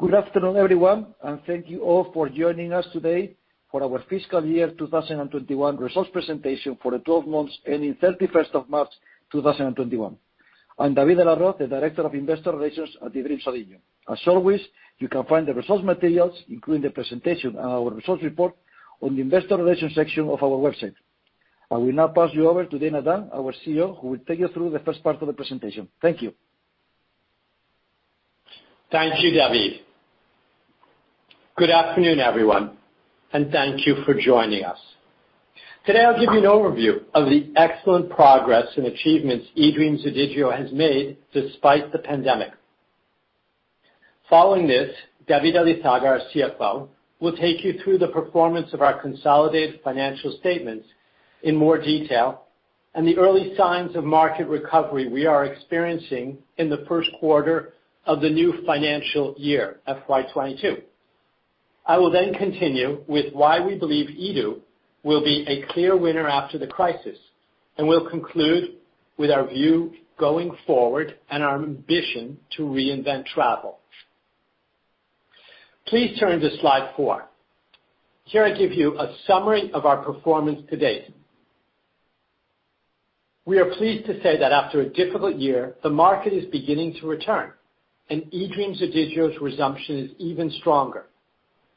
Good afternoon, everyone. Thank you all for joining us today for our fiscal year 2021 results presentation for the 12 months ending 31st of March 2021. I'm David Aliaga, the Director of Investor Relations at eDreams ODIGEO. As always, you can find the resource materials, including the presentation and our resource report, on the investor relations section of our website. I will now pass you over to Dana Dunne, our CEO, who will take you through the first part of the presentation. Thank you. Thank you, David. Good afternoon, everyone, and thank you for joining us. Today, I'll give you an overview of the excellent progress and achievements eDreams ODIGEO has made despite the pandemic. Following this, David Elizaga, our CFO, will take you through the performance of our consolidated financial statements in more detail and the early signs of market recovery we are experiencing in the first quarter of the new financial year, FY22. I will then continue with why we believe eDO will be a clear winner after the crisis, and we'll conclude with our view going forward and our ambition to reinvent travel. Please turn to slide four. Here, I give you a summary of our performance to date. We are pleased to say that after a difficult year, the market is beginning to return, and eDreams ODIGEO's resumption is even stronger.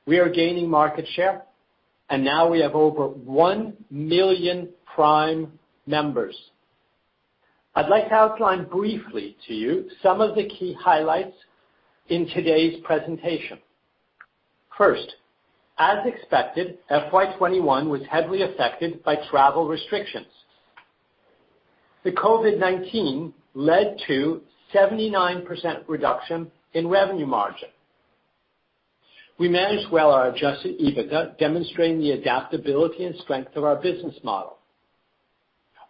We are gaining market share, and now we have over 1 million Prime members. I'd like to outline briefly to you some of the key highlights in today's presentation. First, as expected, FY21 was heavily affected by travel restrictions. The COVID-19 led to 79% reduction in revenue margin. We managed well our adjusted EBITDA, demonstrating the adaptability and strength of our business model.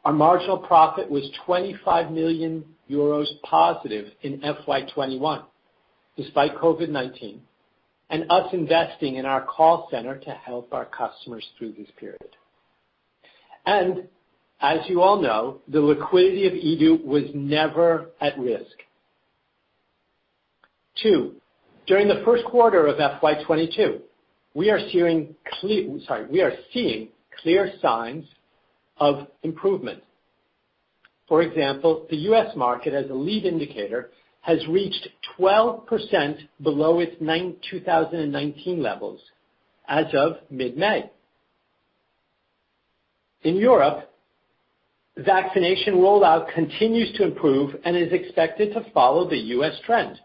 Our marginal profit was 25 million euros positive in FY21, despite COVID-19, and us investing in our call center to help our customers through this period. As you all know, the liquidity of eDO was never at risk. Two, during the first quarter of FY22, we are seeing clear signs of improvement. For example, the U.S. market, as a lead indicator, has reached 12% below its 2019 levels as of mid-May. In Europe, the vaccination rollout continues to improve and is expected to follow the U.S. trend.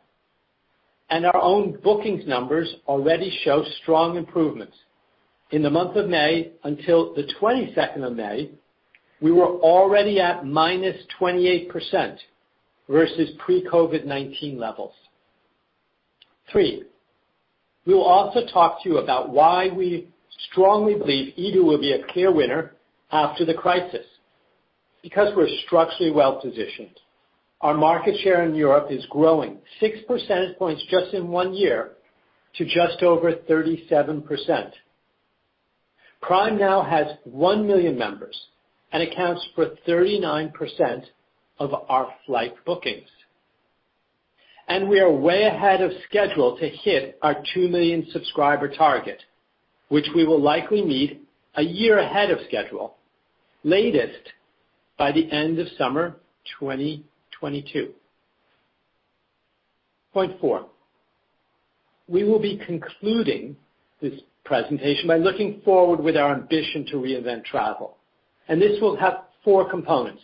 Our own bookings numbers already show strong improvements. In the month of May, until the 22nd of May, we were already at -28% versus pre-COVID-19 levels. Three, we'll also talk to you about why we strongly believe eDO will be a clear winner after the crisis. Because we're structurally well-positioned. Our market share in Europe is growing 6% points just in one year to just over 37%. Prime now has 1 million members and accounts for 39% of our flight bookings. We are way ahead of schedule to hit our 2 million subscriber target, which we will likely meet a year ahead of schedule, latest by the end of summer 2022. Point four. We will be concluding this presentation by looking forward with our ambition to reinvent travel. This will have four components: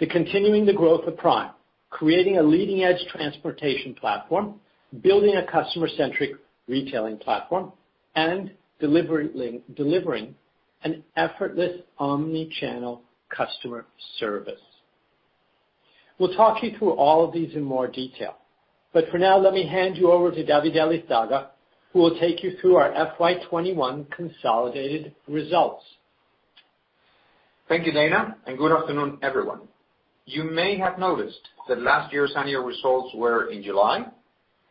the continuing the growth of Prime, creating a leading-edge transportation platform, building a customer-centric retailing platform, and delivering an effortless omni-channel customer service. We'll talk you through all of these in more detail. For now, let me hand you over to David Elizaga, who will take you through our FY 2021 consolidated results. Thank you, Dana. Good afternoon, everyone. You may have noticed that last year's annual results were in July.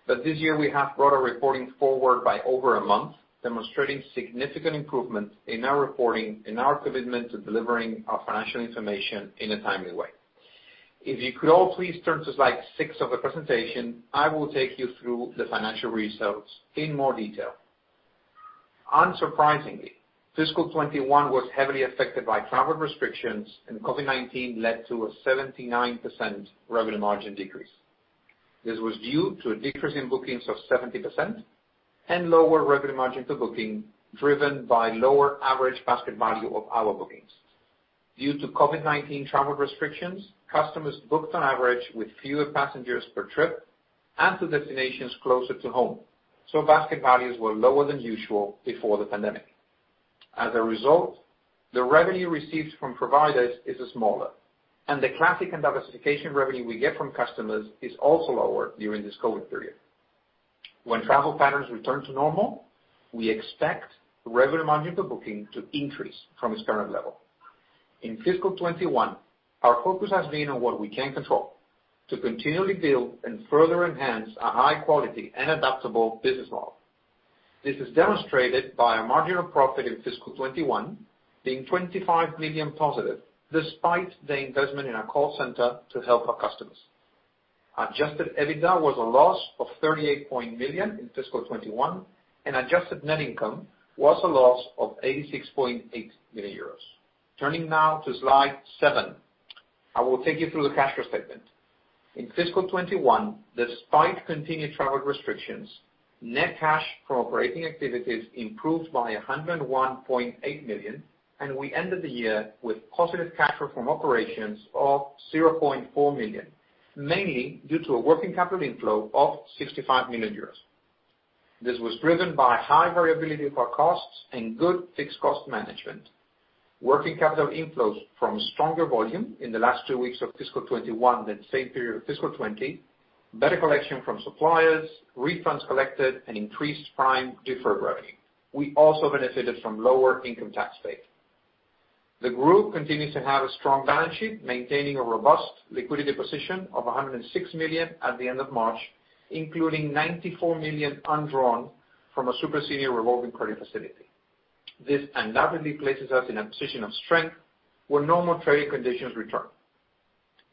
This year we have brought our reporting forward by over a month, demonstrating significant improvement in our reporting and our commitment to delivering our financial information in a timely way. If you could all please turn to slide six of the presentation, I will take you through the financial results in more detail. Unsurprisingly, fiscal '21 was heavily affected by travel restrictions. COVID-19 led to a 79% revenue margin decrease. This was due to a decrease in bookings of 70% and lower revenue margin per booking, driven by lower average basket value of our bookings. Due to COVID-19 travel restrictions, customers booked on average with fewer passengers per trip and to destinations closer to home, basket values were lower than usual before the pandemic. As a result, the revenue received from providers is smaller, and the classic and diversification revenue we get from customers is also lower during this COVID-19 period. When travel patterns return to normal, we expect the revenue margin per booking to increase from its current level. In fiscal 2021, our focus has been on what we can control, to continually build and further enhance a high quality and adaptable business model. This is demonstrated by a marginal profit in fiscal 2021 being 25 million positive, despite the investment in our call center to help our customers. Adjusted EBITDA was a loss of 38 million in fiscal 2021, and adjusted net income was a loss of 86.8 million euros. Turning now to slide seven. I will take you through the cash statement. In fiscal 2021, despite continued travel restrictions, net cash from operating activities improved by 101.8 million, and we ended the year with positive cash flow from operations of 0.4 million, mainly due to a working capital inflow of 65 million euros. This was driven by high variability of our costs and good fixed cost management, working capital inflows from stronger volume in the last two weeks of fiscal 2021 than the same period of fiscal 2020, better collection from suppliers, refunds collected, and increased Prime deferred revenue. We also benefited from lower income tax paid. The group continues to have a strong balance sheet, maintaining a robust liquidity position of 106 million at the end of March, including 94 million undrawn from a super senior revolving credit facility. This undoubtedly places us in a position of strength when normal trading conditions return.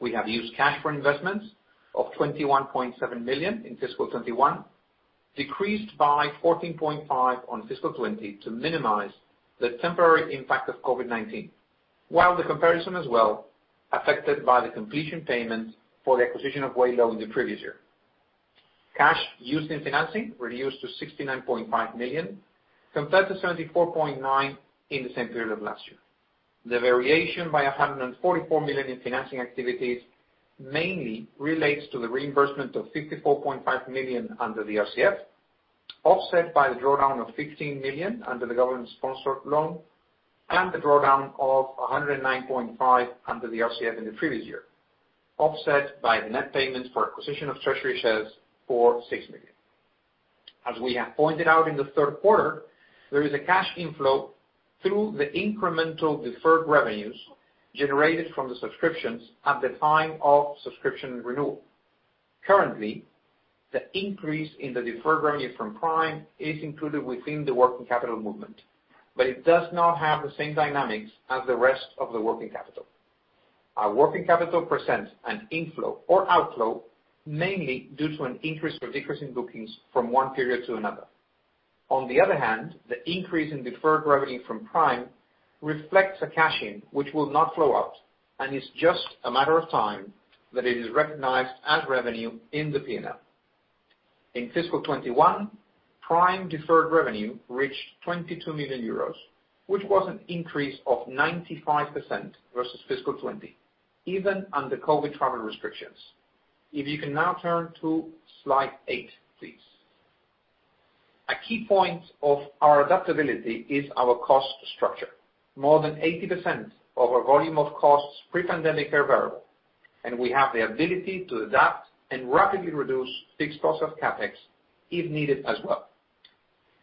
We have used cash for investments of 21.7 million in fiscal 2021, decreased by 14.5 million on fiscal 2020 to minimize the temporary impact of COVID-19, while the comparison as well affected by the completion payments for the acquisition of Waylo in the previous year. Cash used in financing reduced to 69.5 million, compared to 74.9 million in the same period of last year. The variation by 144 million in financing activities mainly relates to the reimbursement of 54.5 million under the RCF, offset by the drawdown of 15 million under the government-sponsored loan, and the drawdown of 109.5 under the RCF in the previous year, offset by the net payments for acquisition of treasury shares for 6 million. As we have pointed out in the third quarter, there is a cash inflow through the incremental deferred revenues generated from the subscriptions at the time of subscription renewal. Currently, the increase in the deferred revenue from Prime is included within the working capital movement, but it does not have the same dynamics as the rest of the working capital. Our working capital presents an inflow or outflow, mainly due to an increase or decrease in bookings from one period to another. On the other hand, the increase in deferred revenue from Prime reflects a cash-in, which will not flow out, and is just a matter of time that it is recognized as revenue in the P&L. In fiscal 2021, Prime deferred revenue reached 22 million euros, which was an increase of 95% versus fiscal 2020, even under COVID travel restrictions. If you can now turn to slide eight, please. A key point of our adaptability is our cost structure. More than 80% of our volume of costs pre-pandemic are variable, and we have the ability to adapt and rapidly reduce fixed cost of CapEx if needed as well.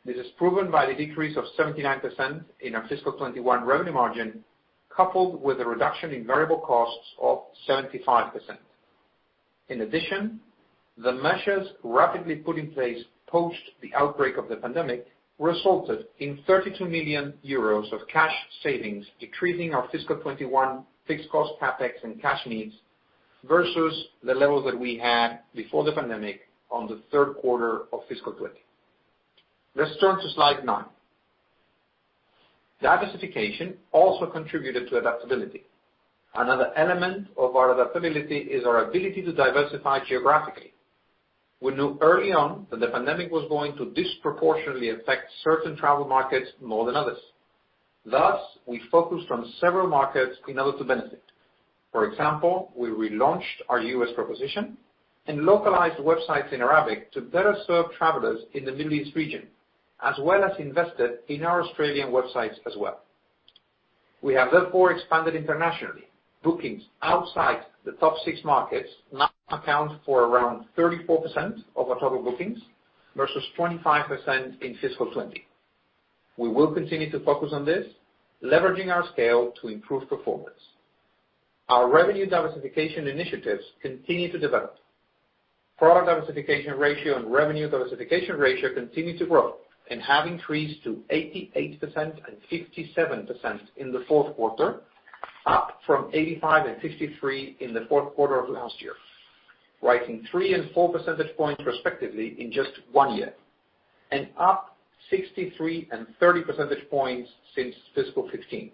This is proven by the decrease of 79% in our fiscal 2021 revenue margin, coupled with a reduction in variable costs of 75%. In addition, the measures rapidly put in place post the outbreak of the pandemic resulted in 32 million euros of cash savings, decreasing our fiscal 2021 fixed cost CapEx and cash needs versus the level that we had before the pandemic on the third quarter of fiscal 2020. Let's turn to slide nine. Diversification also contributed to adaptability. Another element of our adaptability is our ability to diversify geographically. We knew early on that the pandemic was going to disproportionately affect certain travel markets more than others. We focused on several markets in order to benefit. For example, we relaunched our U.S. proposition and localized websites in Arabic to better serve travelers in the Middle East region, as well as invested in our Australian websites as well. We have therefore expanded internationally. Bookings outside the top six markets now account for around 34% of our total bookings versus 25% in fiscal 2020. We will continue to focus on this, leveraging our scale to improve performance. Our revenue diversification initiatives continue to develop. Product diversification ratio and revenue diversification ratio continue to grow and have increased to 88% and 57% in the fourth quarter, up from 85% and 53% in the fourth quarter of last year, rising 3 percentage point and 4 percentage points respectively in just one year, and up 63 and 30 percentage points since fiscal 2015.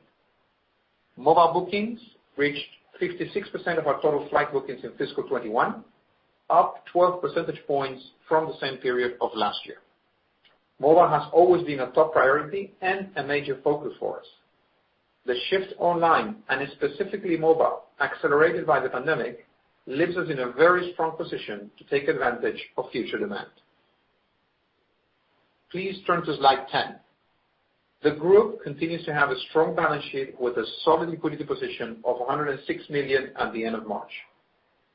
Mobile bookings reached 56% of our total flight bookings in fiscal 2021, up 12 percentage points from the same period of last year. Mobile has always been a top priority and a major focus for us. The shift online, and specifically mobile, accelerated by the pandemic, leaves us in a very strong position to take advantage of future demand. Please turn to slide 10. The group continues to have a strong balance sheet with a solid liquidity position of 106 million at the end of March.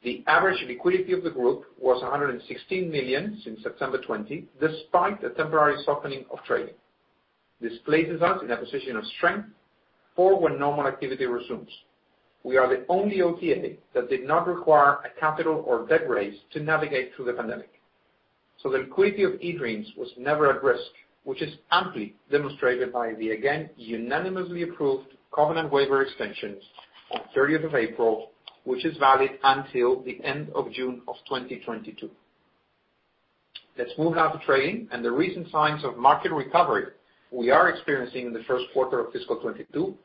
The average liquidity of the group was 116 million since September 2020, despite a temporary softening of trading. This places us in a position of strength for when normal activity resumes. We are the only OTA that did not require a capital or debt raise to navigate through the pandemic. The liquidity of eDreams was never at risk, which is amply demonstrated by the, again, unanimously approved covenant waiver extension on 30th of April, which is valid until the end of June 2022. Let's move on to trading and the recent signs of market recovery we are experiencing in the first quarter of fiscal 2022,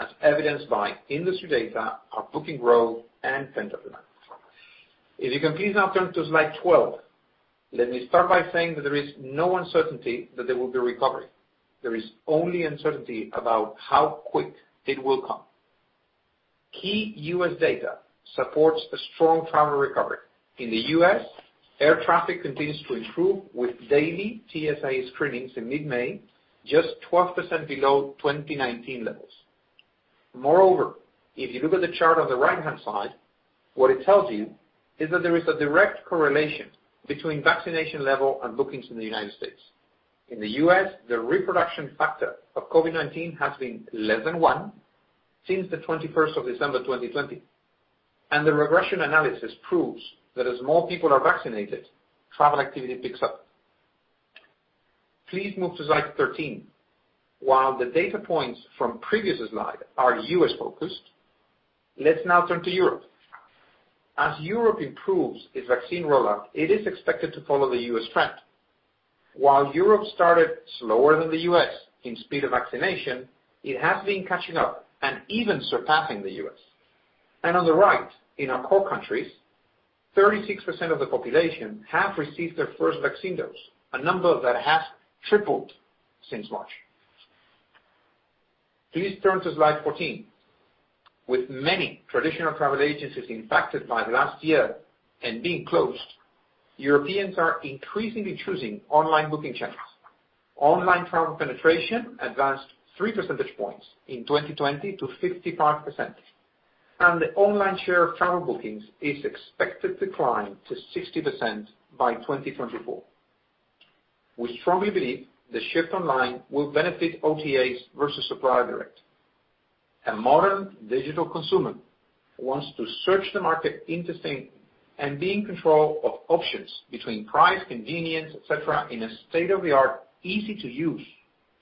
as evidenced by industry data, our booking growth, and pent-up demand. If you can please now turn to slide 12. Let me start by saying that there is no uncertainty that there will be a recovery. There is only uncertainty about how quick it will come. Key U.S. data supports a strong travel recovery. In the U.S., air traffic continues to improve with daily TSA screenings in mid-May, just 12% below 2019 levels. If you look at the chart on the right-hand side, what it tells you is that there is a direct correlation between vaccination level and bookings in the United States. In the U.S., the reproduction factor of COVID-19 has been less than one since the 21st of December 2020, and the regression analysis proves that as more people are vaccinated, travel activity picks up. Please move to slide 13. While the data points from previous slide are U.S.-focused, let's now turn to Europe. As Europe improves its vaccine rollout, it is expected to follow the U.S. trend. While Europe started slower than the U.S. in speed of vaccination, it has been catching up and even surpassing the U.S. On the right, in our core countries, 36% of the population have received their first vaccine dose, a number that has tripled since March. Please turn to slide 14. With many traditional travel agencies impacted by last year and being closed, Europeans are increasingly choosing online booking channels. Online travel penetration advanced 3 percentage points in 2020 to 55%, and the online share of travel bookings is expected to climb to 60% by 2024. We strongly believe the shift online will benefit OTAs versus supplier direct. A modern digital consumer wants to search the market seamlessly and be in control of options between price, convenience, et cetera, in a state-of-the-art, easy-to-use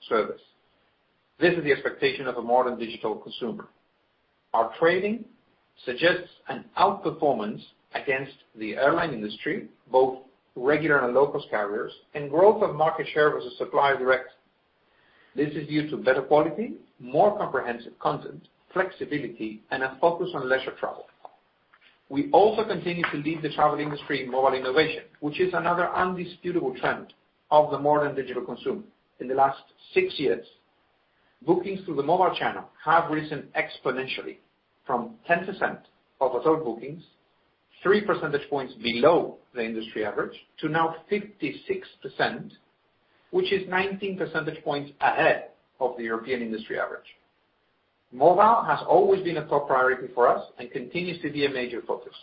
service. This is the expectation of a modern digital consumer. Our trading suggests an outperformance against the airline industry, both regular and low-cost carriers, and growth of market share versus supplier direct. This is due to better quality, more comprehensive content, flexibility, and a focus on leisure travel. We also continue to lead the travel industry in mobile innovation, which is another undisputable trend of the modern digital consumer. In the last six years, bookings through the mobile channel have risen exponentially from 10% of total bookings, 3 percentage points below the industry average, to now 56%, which is 19 percentage points ahead of the European industry average. Mobile has always been a top priority for us and continues to be a major focus.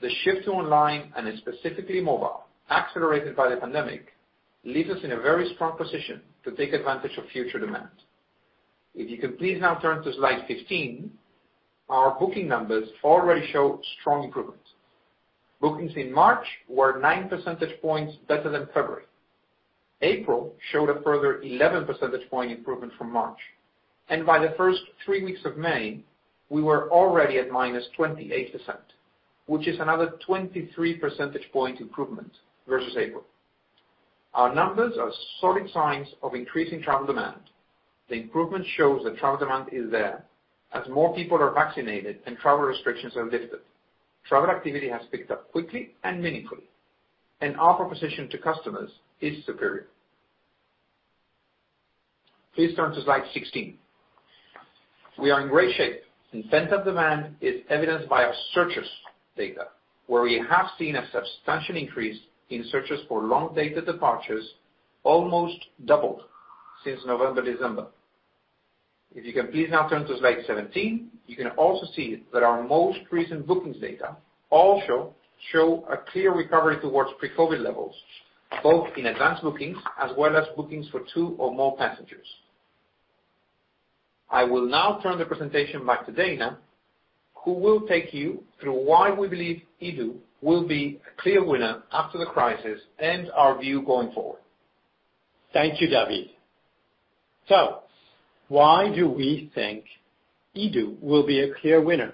The shift to online, and specifically mobile, accelerated by the pandemic, leaves us in a very strong position to take advantage of future demand. If you can please now turn to slide 15, our booking numbers already show strong improvements. Bookings in March were 9 percentage points better than February. April showed a further 11 percentage point improvement from March. By the first three weeks of May, we were already at -28%, which is another 23 percentage point improvement versus April. Our numbers are solid signs of increasing travel demand. The improvement shows that travel demand is there. As more people are vaccinated and travel restrictions are lifted, travel activity has picked up quickly and meaningfully, and our proposition to customers is superior. Please turn to slide 16. We are in great shape, pent-up demand is evidenced by our searches data, where we have seen a substantial increase in searches for long-dated departures, almost double since November, December. If you can please now turn to slide 17, you can also see that our most recent bookings data also show a clear recovery towards pre-COVID levels, both in advance bookings as well as bookings for two or more passengers. I will now turn the presentation back to Dana, who will take you through why we believe eDO will be a clear winner after the crisis and our view going forward. Thank you, David. Why do we think eDO will be a clear winner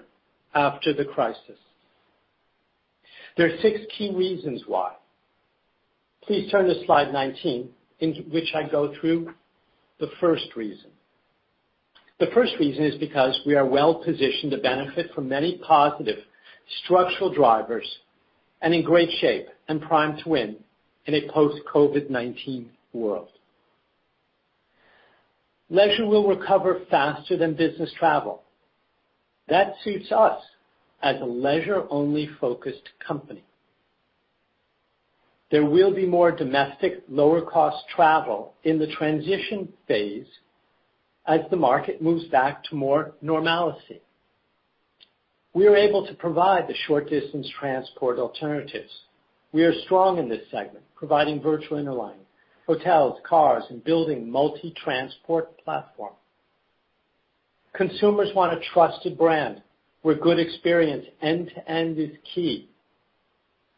after the crisis? There are six key reasons why. Please turn to slide 19, in which I go through the first reason. The first reason is because we are well positioned to benefit from many positive structural drivers and in great shape and primed to win in a post-COVID-19 world. Leisure will recover faster than business travel. That suits us as a leisure-only focused company. There will be more domestic, lower-cost travel in the transition phase as the market moves back to more normalcy. We are able to provide the short-distance transport alternatives. We are strong in this segment, providing virtual interlining, hotels, cars, and building multi-transport platform. Consumers want a trusted brand where good experience end-to-end is key.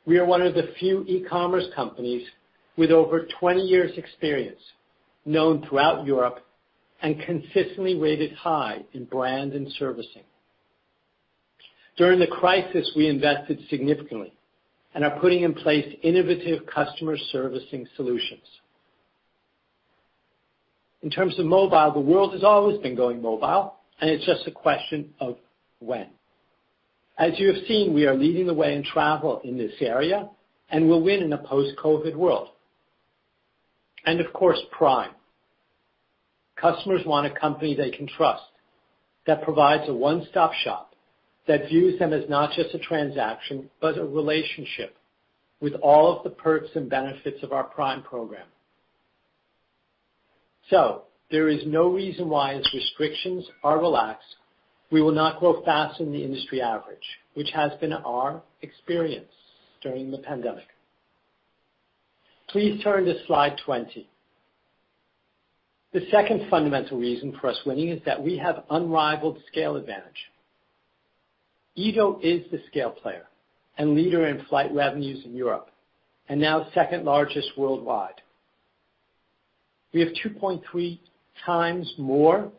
We are one of the few e-commerce companies with over 20 years experience, known throughout Europe and consistently rated high in brand and servicing. During the crisis, we invested significantly and are putting in place innovative customer servicing solutions. In terms of mobile, the world has always been going mobile, and it's just a question of when. As you have seen, we are leading the way in travel in this area, and will win in a post-COVID world. Of course, Prime. Customers want a company they can trust, that provides a one-stop shop, that views them as not just a transaction, but a relationship with all of the perks and benefits of our Prime program. There is no reason why, as restrictions are relaxed, we will not grow faster than the industry average, which has been our experience during the pandemic. Please turn to slide 20. The second fundamental reason for us winning is that we have unrivaled scale advantage. eDO is the scale player and leader in flight revenues in Europe, and now second largest worldwide. We have 2.3x more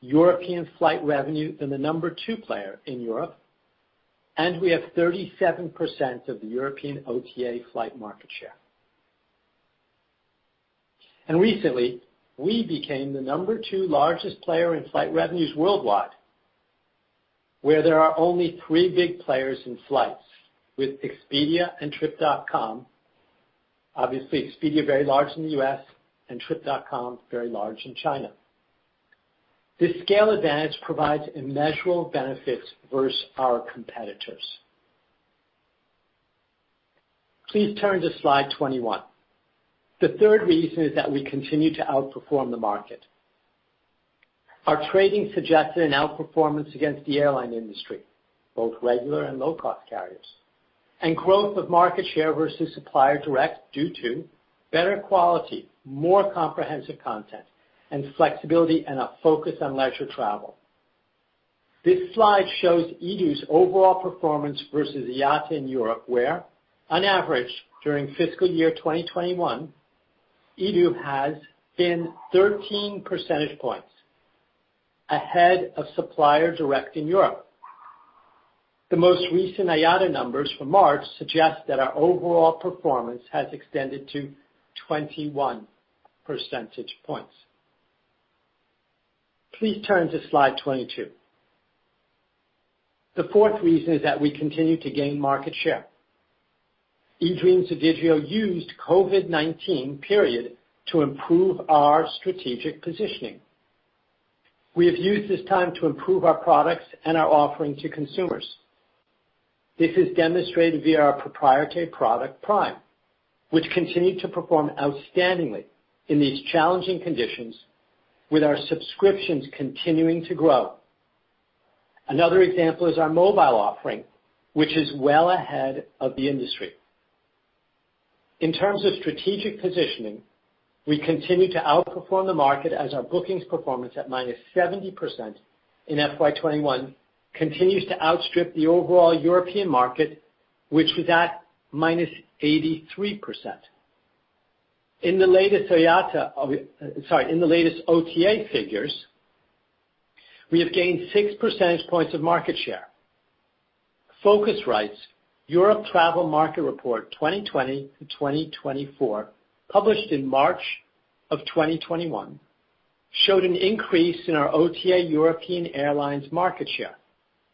European flight revenue than the number two player in Europe, and we have 37% of the European OTA flight market share. Recently, we became the number two largest player in flight revenues worldwide, where there are only three big players in flights with Expedia and Trip.com. Obviously, Expedia, very large in the U.S., and Trip.com, very large in China. This scale advantage provides immeasurable benefits versus our competitors. Please turn to slide 21. The third reason is that we continue to outperform the market. Our trading suggested an outperformance against the airline industry, both regular and low-cost carriers, and growth of market share versus supplier direct, due to better quality, more comprehensive content and flexibility, and a focus on leisure travel. This slide shows eDOs' overall performance versus IATA in Europe, where on average, during fiscal year 2021, eDO has been 13 percentage points ahead of supplier direct in Europe. The most recent IATA numbers from March suggest that our overall performance has extended to 21 percentage points. Please turn to slide 22. The fourth reason is that we continue to gain market share. eDreams ODIGEO used COVID-19 period to improve our strategic positioning. We have used this time to improve our products and our offering to consumers. This is demonstrated via our proprietary product, Prime, which continued to perform outstandingly in these challenging conditions, with our subscriptions continuing to grow. Another example is our mobile offering, which is well ahead of the industry. In terms of strategic positioning, we continue to outperform the market as our bookings performance at -70% in FY 2021 continues to outstrip the overall European market, which was at -83%. In the latest OTA figures, we have gained 6 percentage points of market share. Phocuswright's Europe Travel Market Report 2020 to 2024, published in March of 2021, showed an increase in our OTA European Airlines market share,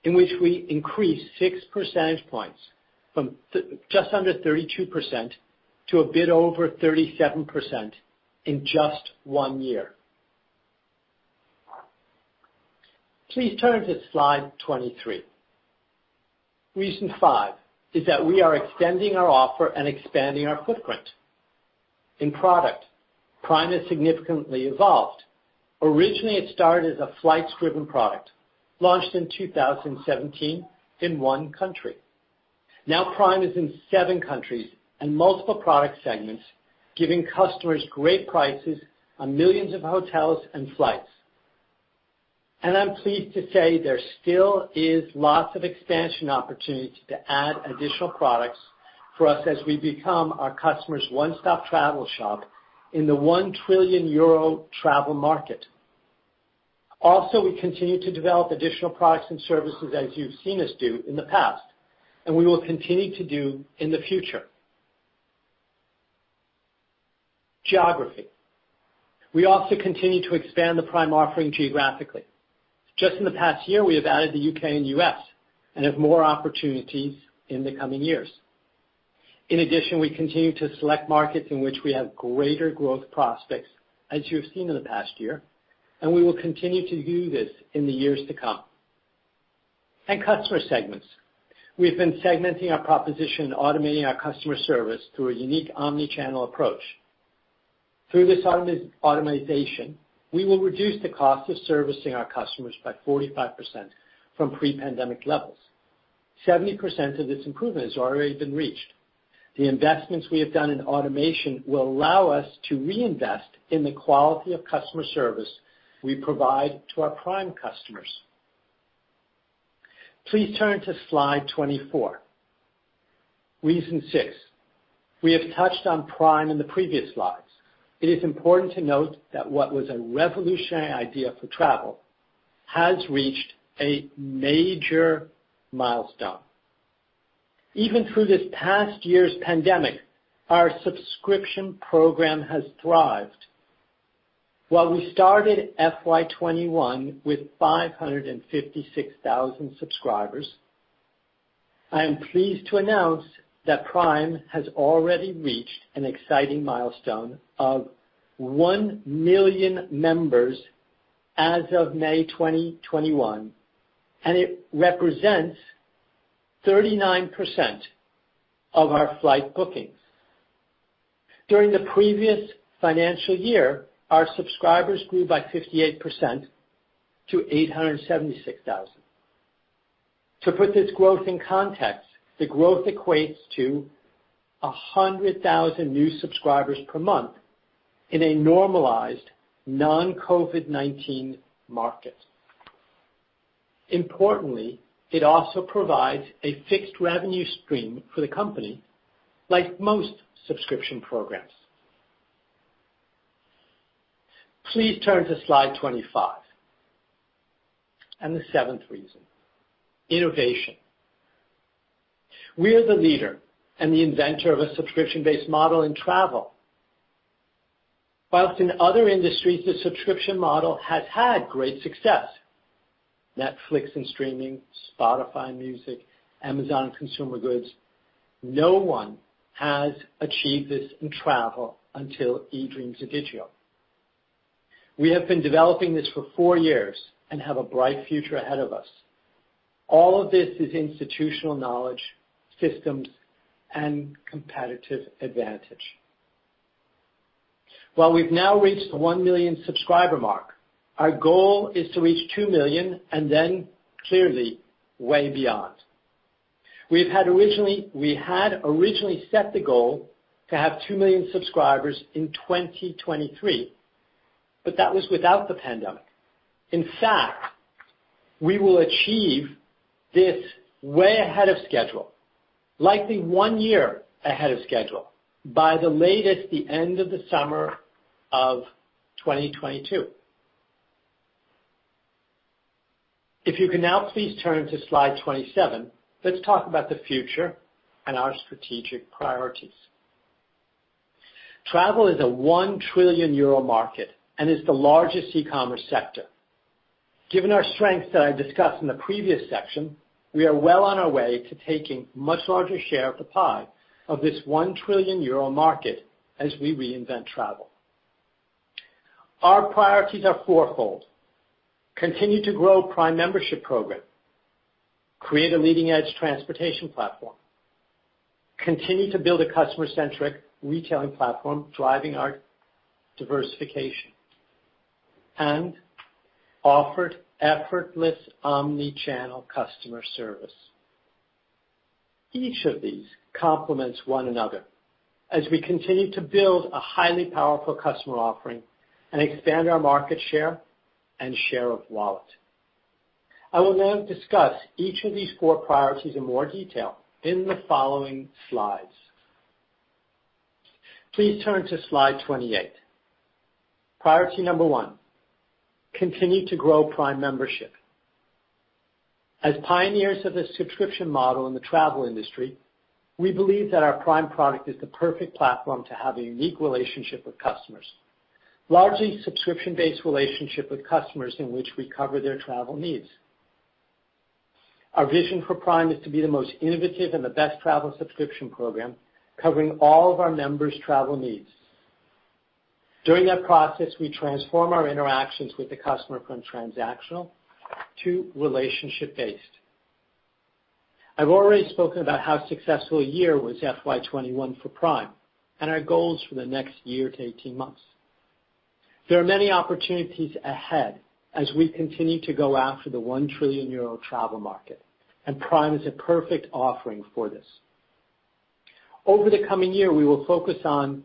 in which we increased 6 percentage points from just under 32% to a bit over 37% in just one year. Please turn to slide 23. Reason five is that we are extending our offer and expanding our footprint. In product, Prime has significantly evolved. Originally, it started as a flights-driven product launched in 2017 in one country. Prime is in seven countries and multiple product segments, giving customers great prices on millions of hotels and flights. I'm pleased to say there still is lots of expansion opportunity to add additional products for us as we become our customers' one-stop travel shop in the 1 trillion euro travel market. We continue to develop additional products and services as you've seen us do in the past, and we will continue to do in the future. Geography. We also continue to expand the Prime offering geographically. Just in the past year, we have added the U.K. and U.S. and have more opportunities in the coming years. We continue to select markets in which we have greater growth prospects, as you have seen in the past year, and we will continue to do this in the years to come. Customer segments. We've been segmenting our proposition, automating our customer service through a unique omnichannel approach. Through this automation, we will reduce the cost of servicing our customers by 45% from pre-pandemic levels. 70% of this improvement has already been reached. The investments we have done in automation will allow us to reinvest in the quality of customer service we provide to our Prime customers. Please turn to slide 24. Reason six. We have touched on Prime in the previous slides. It is important to note that what was a revolutionary idea for travel has reached a major milestone. Even through this past year's pandemic, our subscription program has thrived. While we started FY 2021 with 556,000 subscribers, I am pleased to announce that Prime has already reached an exciting milestone of 1 million members as of May 2021, and it represents 39% of our flight bookings. During the previous financial year, our subscribers grew by 58% to 876,000. To put this growth in context, the growth equates to 100,000 new subscribers per month in a normalized, non-COVID-19 market. Importantly, it also provides a fixed revenue stream for the company like most subscription programs. Please turn to slide 25, and the seventh reason, innovation. We are the leader and the inventor of a subscription-based model in travel. Whilst in other industries, the subscription model has had great success, Netflix in streaming, Spotify in music, Amazon in consumer goods, no one has achieved this in travel until eDreams ODIGEO. We have been developing this for four years and have a bright future ahead of us. All of this is institutional knowledge, systems, and competitive advantage. While we've now reached the one million subscriber mark, our goal is to reach two million and then clearly way beyond. We had originally set the goal to have 2 million subscribers in 2023, but that was without the pandemic. In fact, we will achieve this way ahead of schedule, likely one year ahead of schedule, by the latest, the end of the summer of 2022. If you can now please turn to slide 27, let's talk about the future and our strategic priorities. Travel is a 1 trillion euro market and is the largest e-commerce sector. Given our strengths that I discussed in the previous section, we are well on our way to taking much larger share of the pie of this 1 trillion euro market as we reinvent travel. Our priorities are fourfold. Continue to grow Prime Membership program, create a leading-edge transportation platform, continue to build a customer-centric retailing platform driving our diversification, and offer effortless omni-channel customer service. Each of these complements one another as we continue to build a highly powerful customer offering and expand our market share and share of wallet. I will now discuss each of these four priorities in more detail in the following slides. Please turn to slide 28. Priority number one, continue to grow Prime membership. As pioneers of the subscription model in the travel industry, we believe that our Prime product is the perfect platform to have a unique relationship with customers, largely subscription-based relationship with customers in which we cover their travel needs. Our vision for Prime is to be the most innovative and the best travel subscription program covering all of our members' travel needs. During that process, we transform our interactions with the customer from transactional to relationship-based. I've already spoken about how successful a year was FY 2021 for Prime, and our goals for the next year to 18 months. There are many opportunities ahead as we continue to go after the 1 trillion euro travel market. Prime is a perfect offering for this. Over the coming year, we will focus on,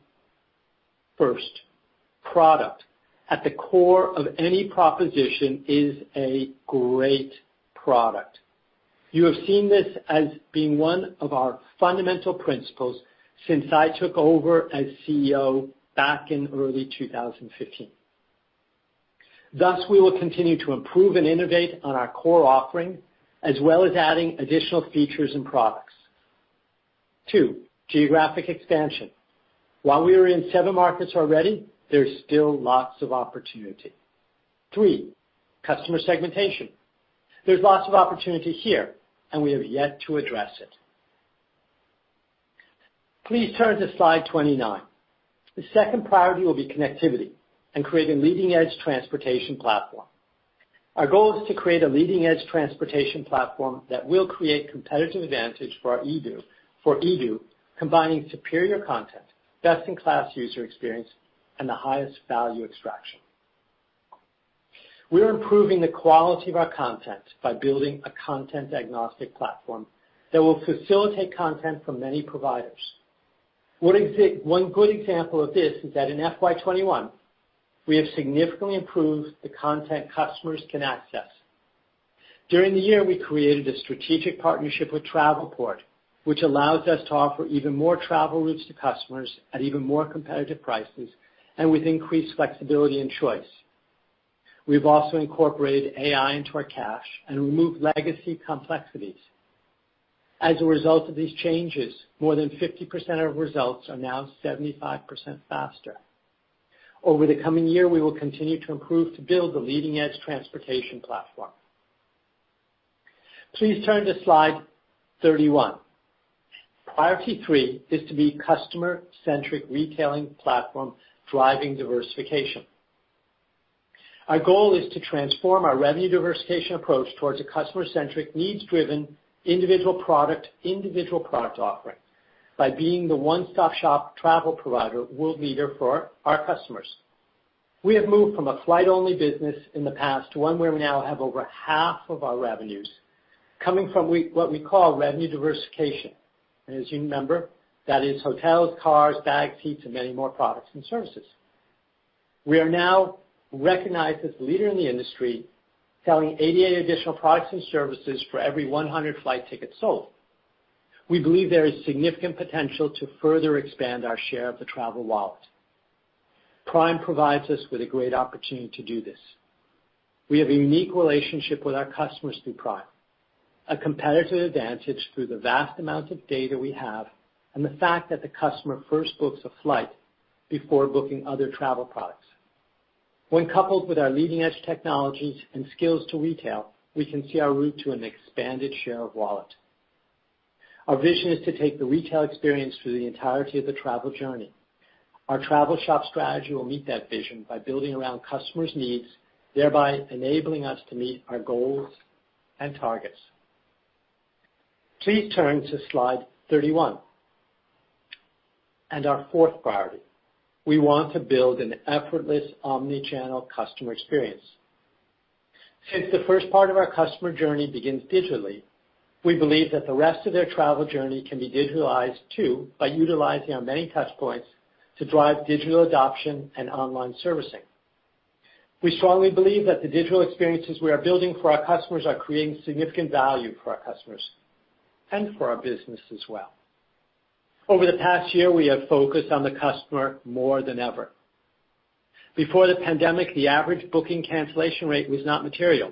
first, product. At the core of any proposition is a great product. You have seen this as being one of our fundamental principles since I took over as CEO back in early 2015. Thus, we will continue to improve and innovate on our core offering, as well as adding additional features and products. Two, geographic expansion. While we are in seven markets already, there's still lots of opportunity. Three, customer segmentation. There's lots of opportunity here. We have yet to address it. Please turn to slide 29. The second priority will be connectivity and create a leading-edge transportation platform. Our goal is to create a leading-edge transportation platform that will create competitive advantage for eDO, combining superior content, best-in-class user experience, and the highest value extraction. We're improving the quality of our content by building a content-agnostic platform that will facilitate content from many providers. One good example of this is that in FY 2021, we have significantly improved the content customers can access. During the year, we created a strategic partnership with Travelport, which allows us to offer even more travel routes to customers at even more competitive prices and with increased flexibility and choice. We've also incorporated AI into our cache and removed legacy complexities. As a result of these changes, more than 50% of results are now 75% faster. Over the coming year, we will continue to improve to build a leading-edge transportation platform. Please turn to slide 31. Priority three is to be a customer-centric retailing platform driving diversification. Our goal is to transform our revenue diversification approach towards a customer-centric, needs-driven, individual product offering by being the one-stop-shop travel provider world leader for our customers. We have moved from a flight-only business in the past to one where we now have over half of our revenues coming from what we call revenue diversification. As you remember, that is hotels, cars, bag fees, and many more products and services. We are now recognized as leader in the industry, selling 88 additional products and services for every 100 flight tickets sold. We believe there is significant potential to further expand our share of the travel wallet. Prime provides us with a great opportunity to do this. We have a unique relationship with our customers through Prime, a competitive advantage through the vast amounts of data we have, and the fact that the customer first books a flight before booking other travel products. When coupled with our leading-edge technologies and skills to retail, we can see our route to an expanded share of wallet. Our vision is to take the retail experience through the entirety of the travel journey. Our travel shop strategy will meet that vision by building around customers' needs, thereby enabling us to meet our goals and targets. Please turn to slide 31. Our fourth priority, we want to build an effortless omni-channel customer experience. Since the first part of our customer journey begins digitally, we believe that the rest of their travel journey can be digitalized too, by utilizing our many touch points to drive digital adoption and online servicing. We strongly believe that the digital experiences we are building for our customers are creating significant value for our customers and for our business as well. Over the past year, we have focused on the customer more than ever. Before the pandemic, the average booking cancellation rate was not material.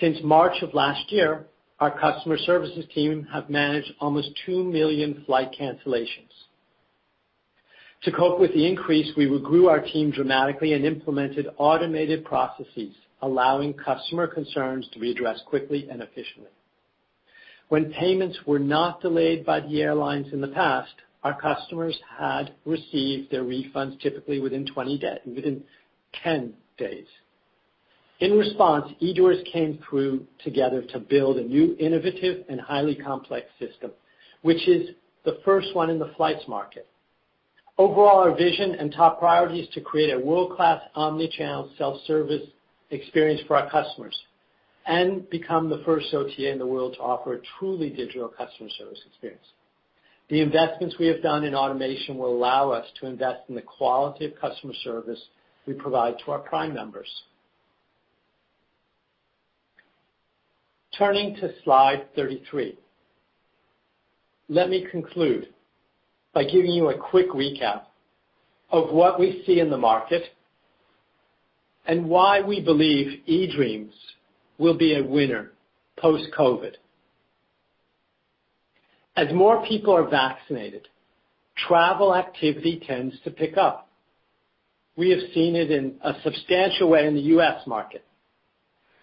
Since March of last year, our customer services team have managed almost two million flight cancellations. To cope with the increase, we regrew our team dramatically and implemented automated processes, allowing customer concerns to be addressed quickly and efficiently. When payments were not delayed by the airlines in the past, our customers had received their refunds typically within 10 days. In response, eDOs came through together to build a new innovative and highly complex system, which is the first one in the flights market. Overall, our vision and top priority is to create a world-class omni-channel self-service experience for our customers and become the first OTA in the world to offer a truly digital customer service experience. The investments we have done in automation will allow us to invest in the quality of customer service we provide to our Prime members. Turning to slide 33. Let me conclude by giving you a quick recap of what we see in the market and why we believe eDreams will be a winner post-COVID. As more people are vaccinated, travel activity tends to pick up. We have seen it in a substantial way in the U.S. market,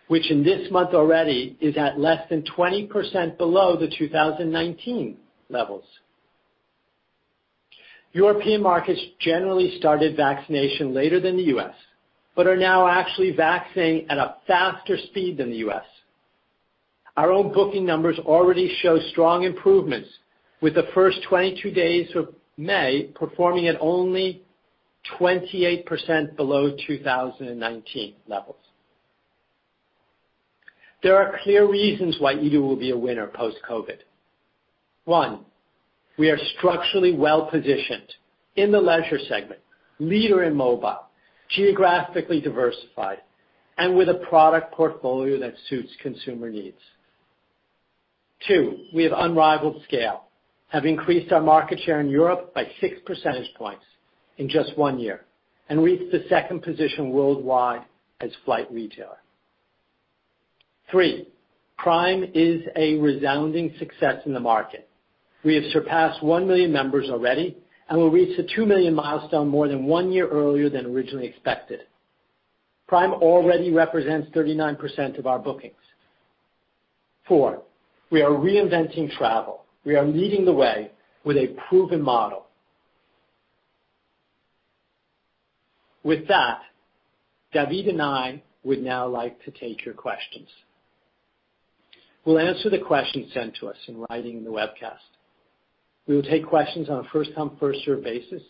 which in this month already is at less than 20% below the 2019 levels. European markets generally started vaccination later than the U.S., but are now actually vaccinating at a faster speed than the U.S. Our own booking numbers already show strong improvements, with the first 22 days of May performing at only 28% below 2019 levels. There are clear reasons why eDO will be a winner post-COVID. One, we are structurally well-positioned in the leisure segment, leader in mobile, geographically diversified, and with a product portfolio that suits consumer needs. Two, we have unrivaled scale, have increased our market share in Europe by 6 percentage points in just one year, and reached the second position worldwide as flight retailer. Three, Prime is a resounding success in the market. We have surpassed 1 million members already and will reach the 2 million milestone more than one year earlier than originally expected. Prime already represents 39% of our bookings. Four, we are reinventing travel. We are leading the way with a proven model. With that, David and I would now like to take your questions. We'll answer the questions sent to us in writing in the webcast. We will take questions on a first come, first serve basis,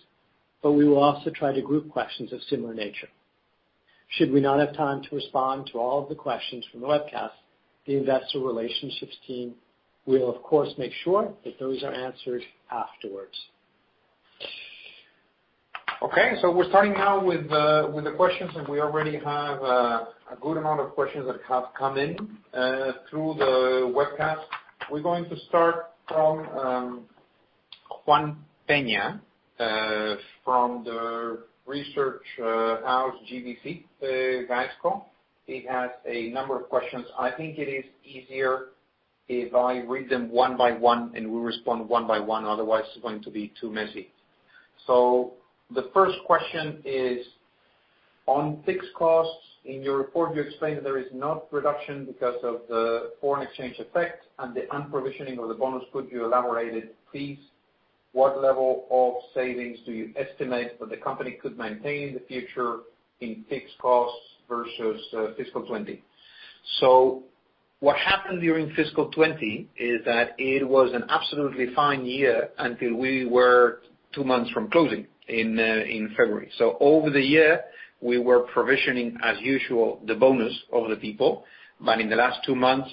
but we will also try to group questions of similar nature. Should we not have time to respond to all the questions from the webcast, the investor relations team will of course, make sure that those are answered afterwards. Okay. We're starting now with the questions, and we already have a good amount of questions that have come in through the webcast. We're going to start from Juan Peña from the Research House, GVC Gaesco. He has a number of questions. I think it is easier if I read them one by one, and we respond one by one, otherwise, it's going to be too messy. The first question is on fixed costs. In your report, you explained there is no reduction because of the foreign exchange effect and the unprovisioning of the bonus. Could you elaborate, please, what level of savings do you estimate that the company could maintain in the future in fixed costs versus fiscal 2020? What happened during fiscal 2020 is that it was an absolutely fine year until we were two months from closing in February. Over the year, we were provisioning as usual, the bonus of the people. In the last two months,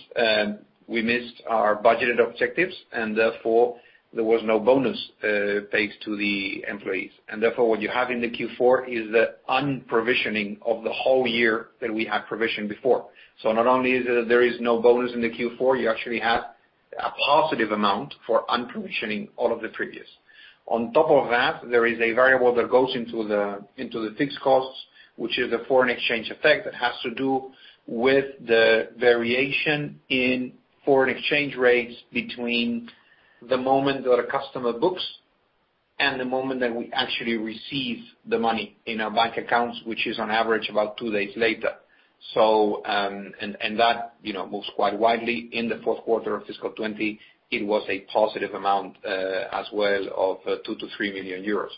we missed our budgeted objectives, and therefore there was no bonus paid to the employees. Therefore, what you have in the Q4 is the unprovisioning of the whole year that we had provisioned before. Not only is there no bonus in the Q4, you actually have a positive amount for unprovisioning all of the previous. On top of that, there is a variable that goes into the fixed costs, which is a foreign exchange effect that has to do with the variation in foreign exchange rates between the moment that a customer books and the moment that we actually receive the money in our bank accounts, which is on average about two days later. That moves quite widely. In the fourth quarter of fiscal 2020, it was a positive amount, as well of 2 million-3 million euros.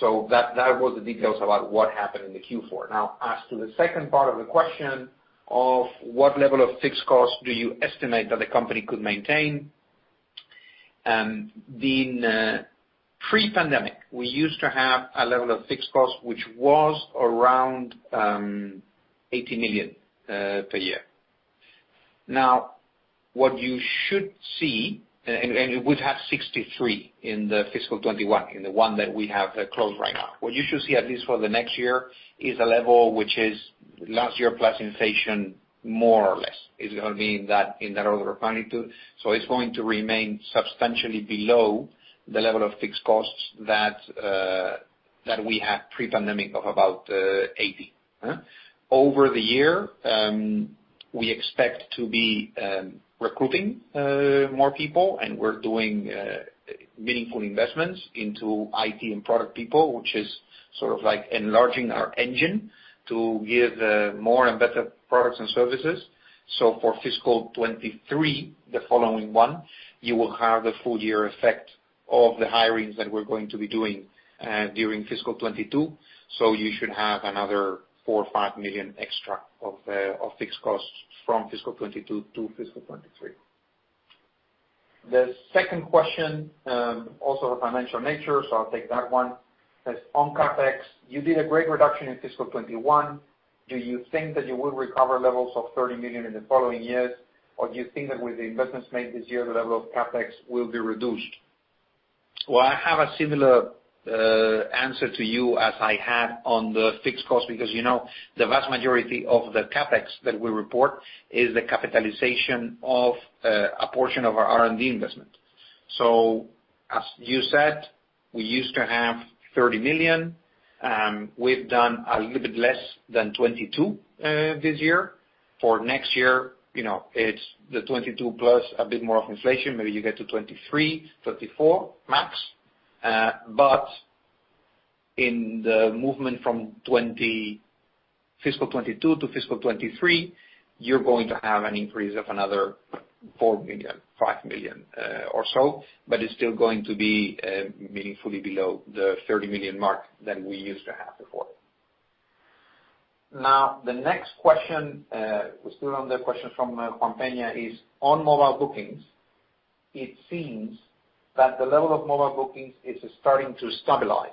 That was the details about what happened in the Q4. Now, as to the second part of the question of what level of fixed costs do you estimate that the company could maintain? Pre-pandemic, we used to have a level of fixed costs, which was around 80 million per year. What you should see, it would have 63 in the fiscal 2021, in the one that we have closed right now. What you should see at least for the next year is a level which is last year plus inflation, more or less, is going to be in that order of magnitude. It's going to remain substantially below the level of fixed costs that we had pre-pandemic of about 80. Over the year, we expect to be recruiting more people, and we're doing meaningful investments into IT and product people, which is sort of like enlarging our engine to give more and better products and services. For fiscal 2023, the following one, you will have the full year effect of the hirings that we're going to be doing during fiscal 2022. You should have another 4 or 5 million extra of fixed costs from fiscal 2022 to fiscal 2023. The second question, also of financial nature, I'll take that one, is on CapEx. You did a great reduction in fiscal 2021. Do you think that you will recover levels of 30 million in the following years, or do you think that with the investments made this year, the level of CapEx will be reduced? Well, I have a similar answer to you as I had on the fixed cost, because the vast majority of the CapEx that we report is the capitalization of a portion of our R&D investment. As you said, we used to have 30 million. We've done a little bit less than 22 million this year. For next year, it's the 22 million+ a bit more inflation. Maybe you get to 23 million, 24 million max. In the movement from fiscal 2022 to fiscal 2023, you're going to have an increase of another 4 million, 5 million or so, but it's still going to be meaningfully below the 30 million mark that we used to have before. The next question, still on the question from Juan Peña is, on mobile bookings, it seems that the level of mobile bookings is starting to stabilize,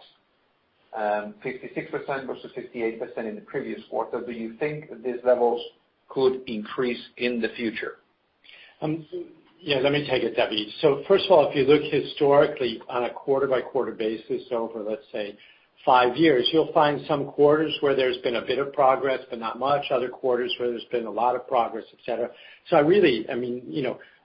56% versus 58% in the previous quarter. Do you think that these levels could increase in the future? Yeah. Let me take it, David. First of all, if you look historically on a quarter by quarter basis over, let's say, five years, you'll find some quarters where there's been a bit of progress, but not much. Other quarters where there's been a lot of progress, et cetera. Really,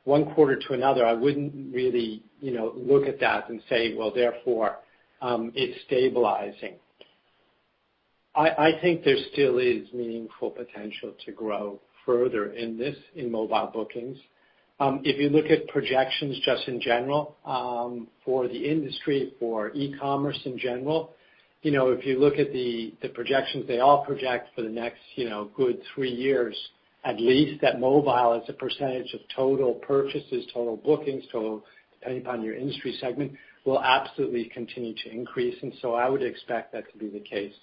one quarter to another, I wouldn't really look at that and say, well, therefore, it's stabilizing. I think there still is meaningful potential to grow further in mobile bookings. If you look at projections just in general, for the industry, for e-commerce in general, they all project for the next good three years, at least that mobile as a percentage of total purchases, total bookings, total depending on your industry segment, will absolutely continue to increase. I would expect that to be the case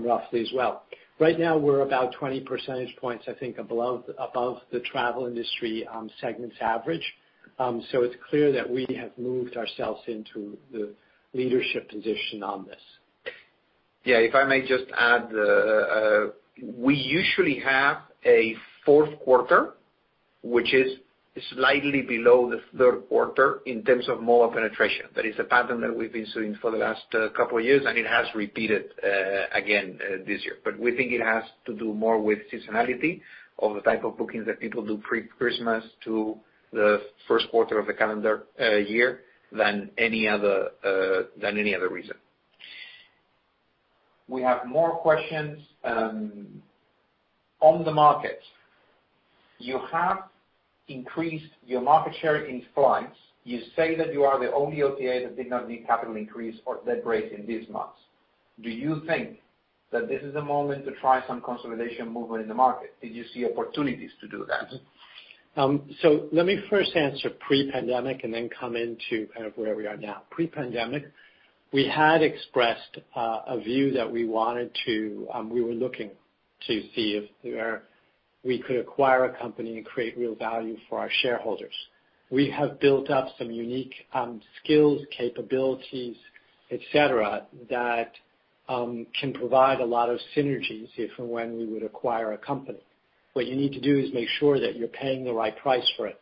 roughly as well. Right now, we're about 20 percentage points, I think, above the travel industry segment average. It's clear that we have moved ourselves into the leadership position on this. Yeah, if I may just add, we usually have a fourth quarter, which is slightly below the third quarter in terms of mobile penetration. That is a pattern that we've been seeing for the last couple of years, and it has repeated again this year. We think it has to do more with seasonality of the type of booking that people do pre-Christmas to the first quarter of the calendar year than any other reason. We have more questions. On the market, you have increased your market share in flights. You say that you are the only OTA that did not need capital increase or leverage in these months. Do you think that this is the moment to try some consolidation movement in the market? Did you see opportunities to do that? Let me first answer pre-pandemic and then come into where we are now. Pre-pandemic, we had expressed a view that we were looking to see if we could acquire a company and create real value for our shareholders. We have built up some unique skills, capabilities, et cetera, that can provide a lot of synergies if and when we would acquire a company. What you need to do is make sure that you're paying the right price for it,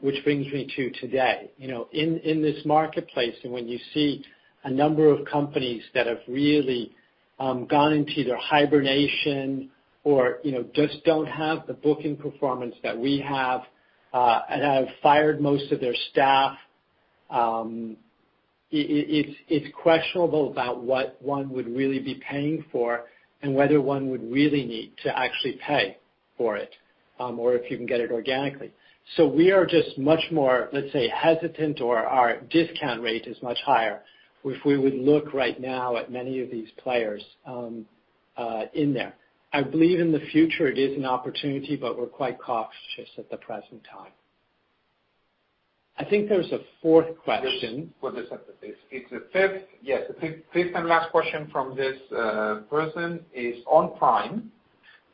which brings me to today. In this marketplace, and when you see a number of companies that have really gone into either hibernation or just don't have the booking performance that we have, and have fired most of their staff, it's questionable about what one would really be paying for and whether one would really need to actually pay for it, or if you can get it organically. We are just much more, let's say, hesitant or our discount rate is much higher, if we would look right now at many of these players in there. I believe in the future it is an opportunity, but we're quite cautious just at the present time. I think there's a fourth question. For this episode. It's the fifth. Yeah, fifth and last question from this person is, on Prime,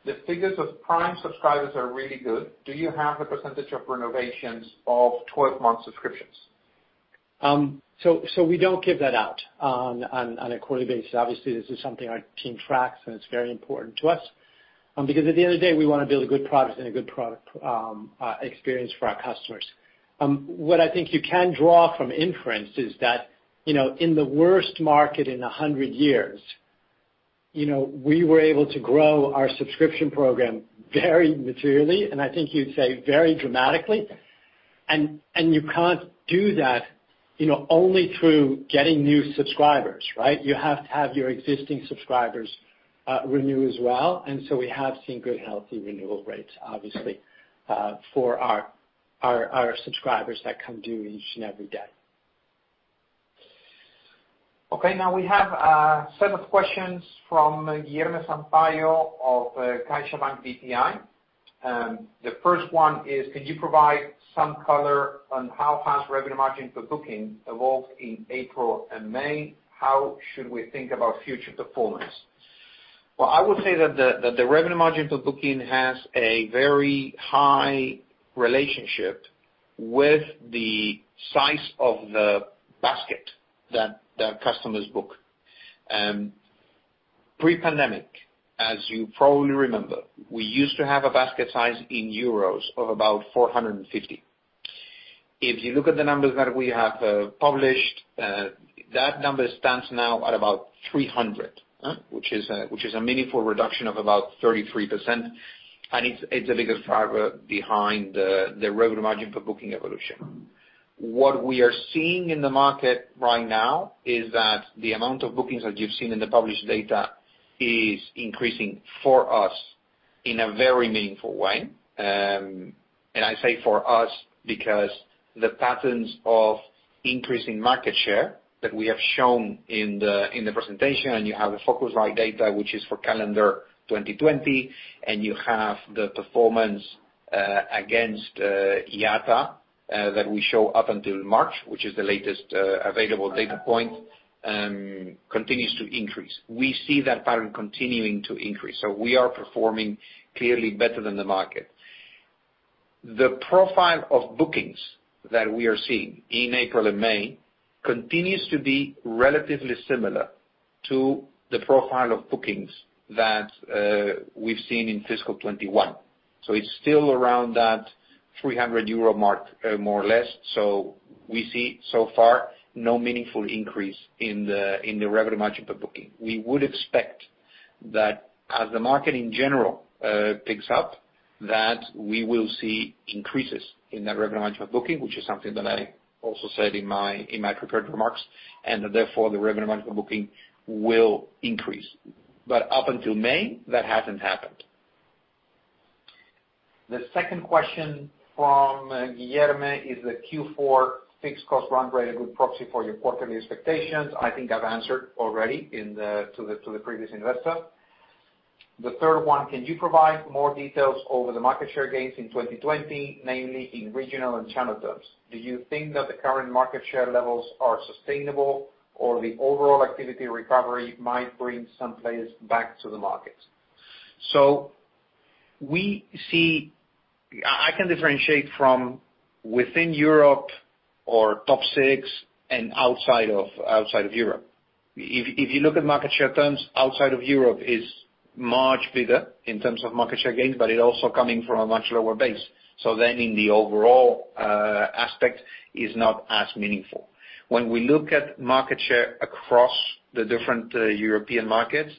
the figures of Prime subscribers are really good. Do you have the percentage of renovations of 12-month subscriptions? We don't give that out on a quarterly basis. Obviously, this is something our team tracks, and it's very important to us. Because at the end of the day, we want to build a good product and a good product experience for our customers. What I think you can draw from inference is that, in the worst market in 100 years, we were able to grow our subscription program very materially, and I think you'd say very dramatically. You can't do that, only through getting new subscribers, right? You have to have your existing subscribers renew as well. We have seen good, healthy renewal rates, obviously, for our subscribers that come to each and every day. Okay, now we have a set of questions from Guilherme Sampaio of CaixaBank BPI. The first one is, could you provide some color on how has revenue margin per booking evolved in April and May? How should we think about future performance? Well, I would say that the revenue margin per booking has a very high relationship with the size of the basket that customers book. Pre-pandemic, as you probably remember, we used to have a basket size in EUR of about 450. If you look at the numbers that we have published, that number stands now at about 300, which is a meaningful reduction of about 33%, and it's a bigger driver behind the revenue margin per booking evolution. What we are seeing in the market right now is that the amount of bookings that you've seen in the published data is increasing for us in a very meaningful way. I say for us because the patterns of increasing market share that we have shown in the presentation, and you have a focus on data which is for calendar 2020, and you have the performance against IATA that we show up until March, which is the latest available data point, continues to increase. We see that pattern continuing to increase. We are performing clearly better than the market. The profile of bookings that we are seeing in April and May continues to be relatively similar to the profile of bookings that we've seen in fiscal 2021. It's still around that 300 euro mark, more or less. We see so far no meaningful increase in the revenue margin per booking. We would expect that as the market in general picks up, that we will see increases in the revenue margin per booking, which is something that I also said in my prepared remarks, and therefore the revenue margin per booking will increase. Up until May, that hasn't happened. The second question from Guilherme is the Q4 fixed cost run rate a good proxy for your quarterly expectations? I think I've answered already to the previous investor. The third one, can you provide more details over the market share gains in 2020, namely in regional and channel terms? Do you think that the current market share levels are sustainable or the overall activity recovery might bring some players back to the market? I can differentiate from within Europe or top six and outside of Europe. If you look at market share terms, outside of Europe is much bigger in terms of market share gains, but it also coming from a much lower base. In the overall aspect is not as meaningful. When we look at market share across the different European markets,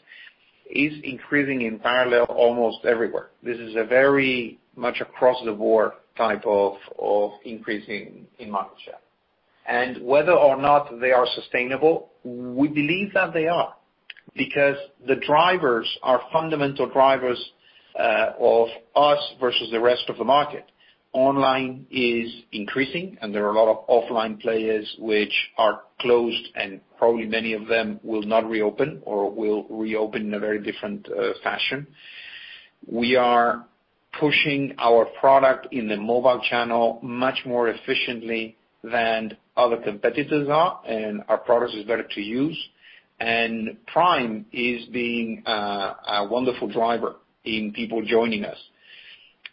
is increasing in parallel almost everywhere. This is a very much across the board type of increasing in market share. Whether or not they are sustainable, we believe that they are, because the drivers are fundamental drivers of us versus the rest of the market. Online is increasing and there are a lot of offline players which are closed, and probably many of them will not reopen or will reopen in a very different fashion. We are pushing our product in the mobile channel much more efficiently than other competitors are, and our product is better to use. Prime is being a wonderful driver in people joining us.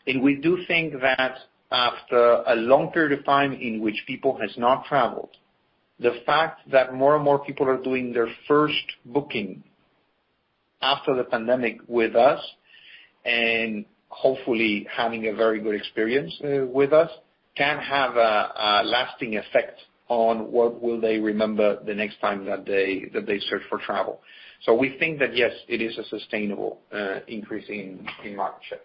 We do think that after a long period of time in which people has not traveled, the fact that more and more people are doing their first booking after the pandemic with us, and hopefully having a very good experience with us, can have a lasting effect on what will they remember the next time that they search for travel. We think that, yes, it is a sustainable increase in market share.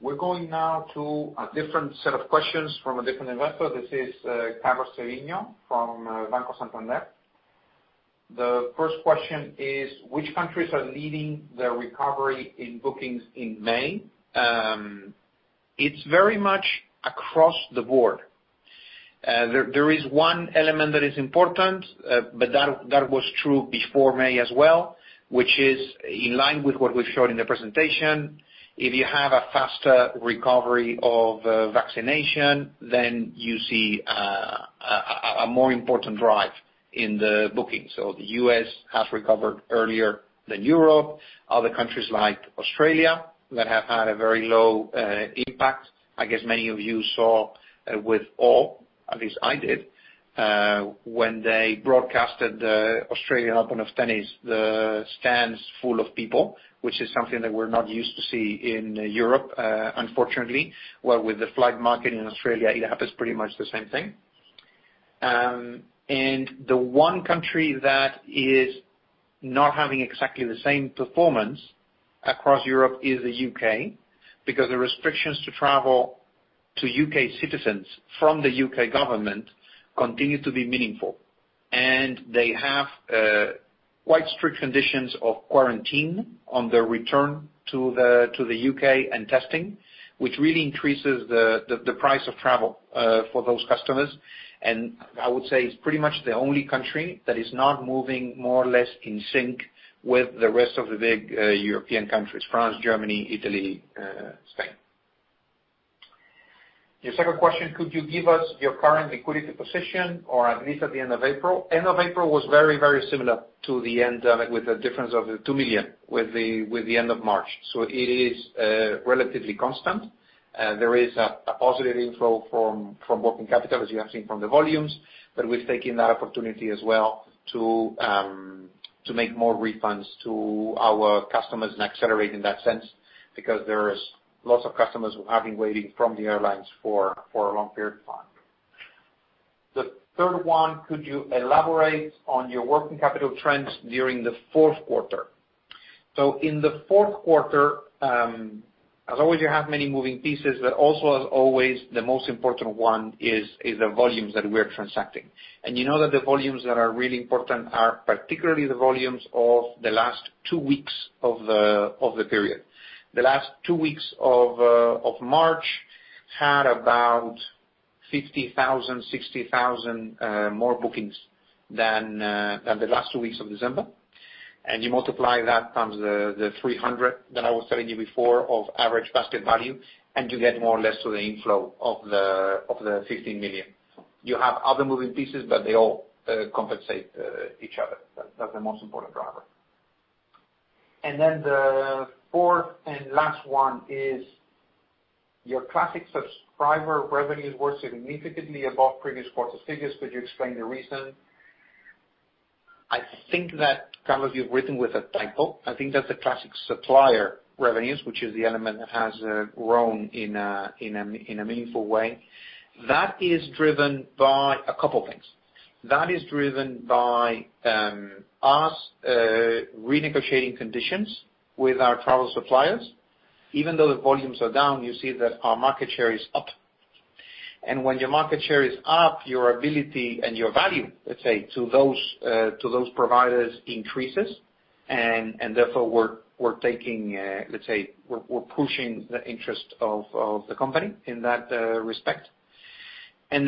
We're going now to a different set of questions from a different investor. This is Carlos Savino from Banco Santander. The first question is, which countries are leading the recovery in bookings in May? It's very much across the board. There is one element that is important, but that was true before May as well, which is in line with what we've showed in the presentation. If you have a faster recovery of vaccination, you see a more important drive in the bookings. The U.S. has recovered earlier than Europe. Other countries like Australia that have had a very low impact. I guess many of you saw with awe, at least I did, when they broadcasted the Australian Open of tennis, the stands full of people, which is something that we're not used to see in Europe, unfortunately. With the flight market in Australia, it happens pretty much the same thing. The one country that is not having exactly the same performance across Europe is the U.K., because the restrictions to travel to U.K. citizens from the U.K. government continue to be meaningful. They have quite strict conditions of quarantine on their return to the U.K. and testing, which really increases the price of travel for those customers. I would say it's pretty much the only country that is not moving more or less in sync with the rest of the big European countries: France, Germany, Italy, Spain. Your second question, could you give us your current liquidity position or at least at the end of April? End of April was very, very similar to the end, with a difference of 2 million, with the end of March. It is relatively constant. There is a positive inflow from working capital, as you have seen from the volumes, but we've taken that opportunity as well to make more refunds to our customers and accelerate in that sense, because there is lots of customers who have been waiting from the airlines for a long period of time. The third one, could you elaborate on your working capital trends during the fourth quarter? In the fourth quarter, as always, you have many moving pieces, but also as always, the most important one is the volumes that we're transacting. You know that the volumes that are really important are particularly the volumes of the last two weeks of the period. The last two weeks of March had about 50,000, 60,000 more bookings than the last two weeks of December. You multiply that times the 300 that I was telling you before of average basket value, and you get more or less to the inflow of the 15 million. You have other moving pieces, but they all compensate each other. That's the most important driver. Then the fourth and last one is your classic subscriber revenues were significantly above previous quarter figures. Could you explain the reason? I think that, Carlos, you've written with a typo. I think that's the classic supplier revenues, which is the element that has grown in a meaningful way. That is driven by a couple things. That is driven by us renegotiating conditions with our travel suppliers. Even though the volumes are down, you see that our market share is up. When your market share is up, your ability and your value, let's say, to those providers increases, and therefore we're taking, let's say, we're pushing the interest of the company in that respect. That's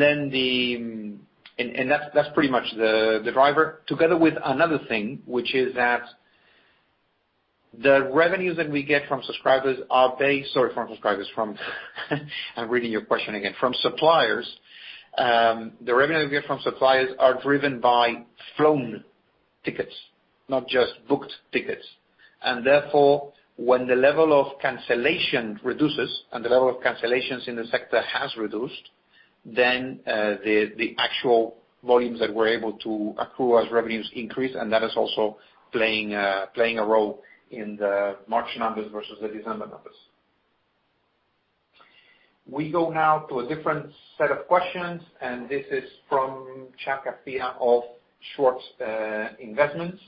pretty much the driver. Together with another thing, which is that the revenues that we get from subscribers are based. Sorry, from subscribers. I'm reading your question again. From suppliers. The revenue we get from suppliers are driven by flown tickets, not just booked tickets. Therefore, when the level of cancellation reduces and the level of cancellations in the sector has reduced, then the actual volumes that we're able to accrue as revenues increase, that is also playing a role in the March numbers versus the December numbers. We go now to a different set of questions, and this is from Chadd Garcia of Schwartz Investments.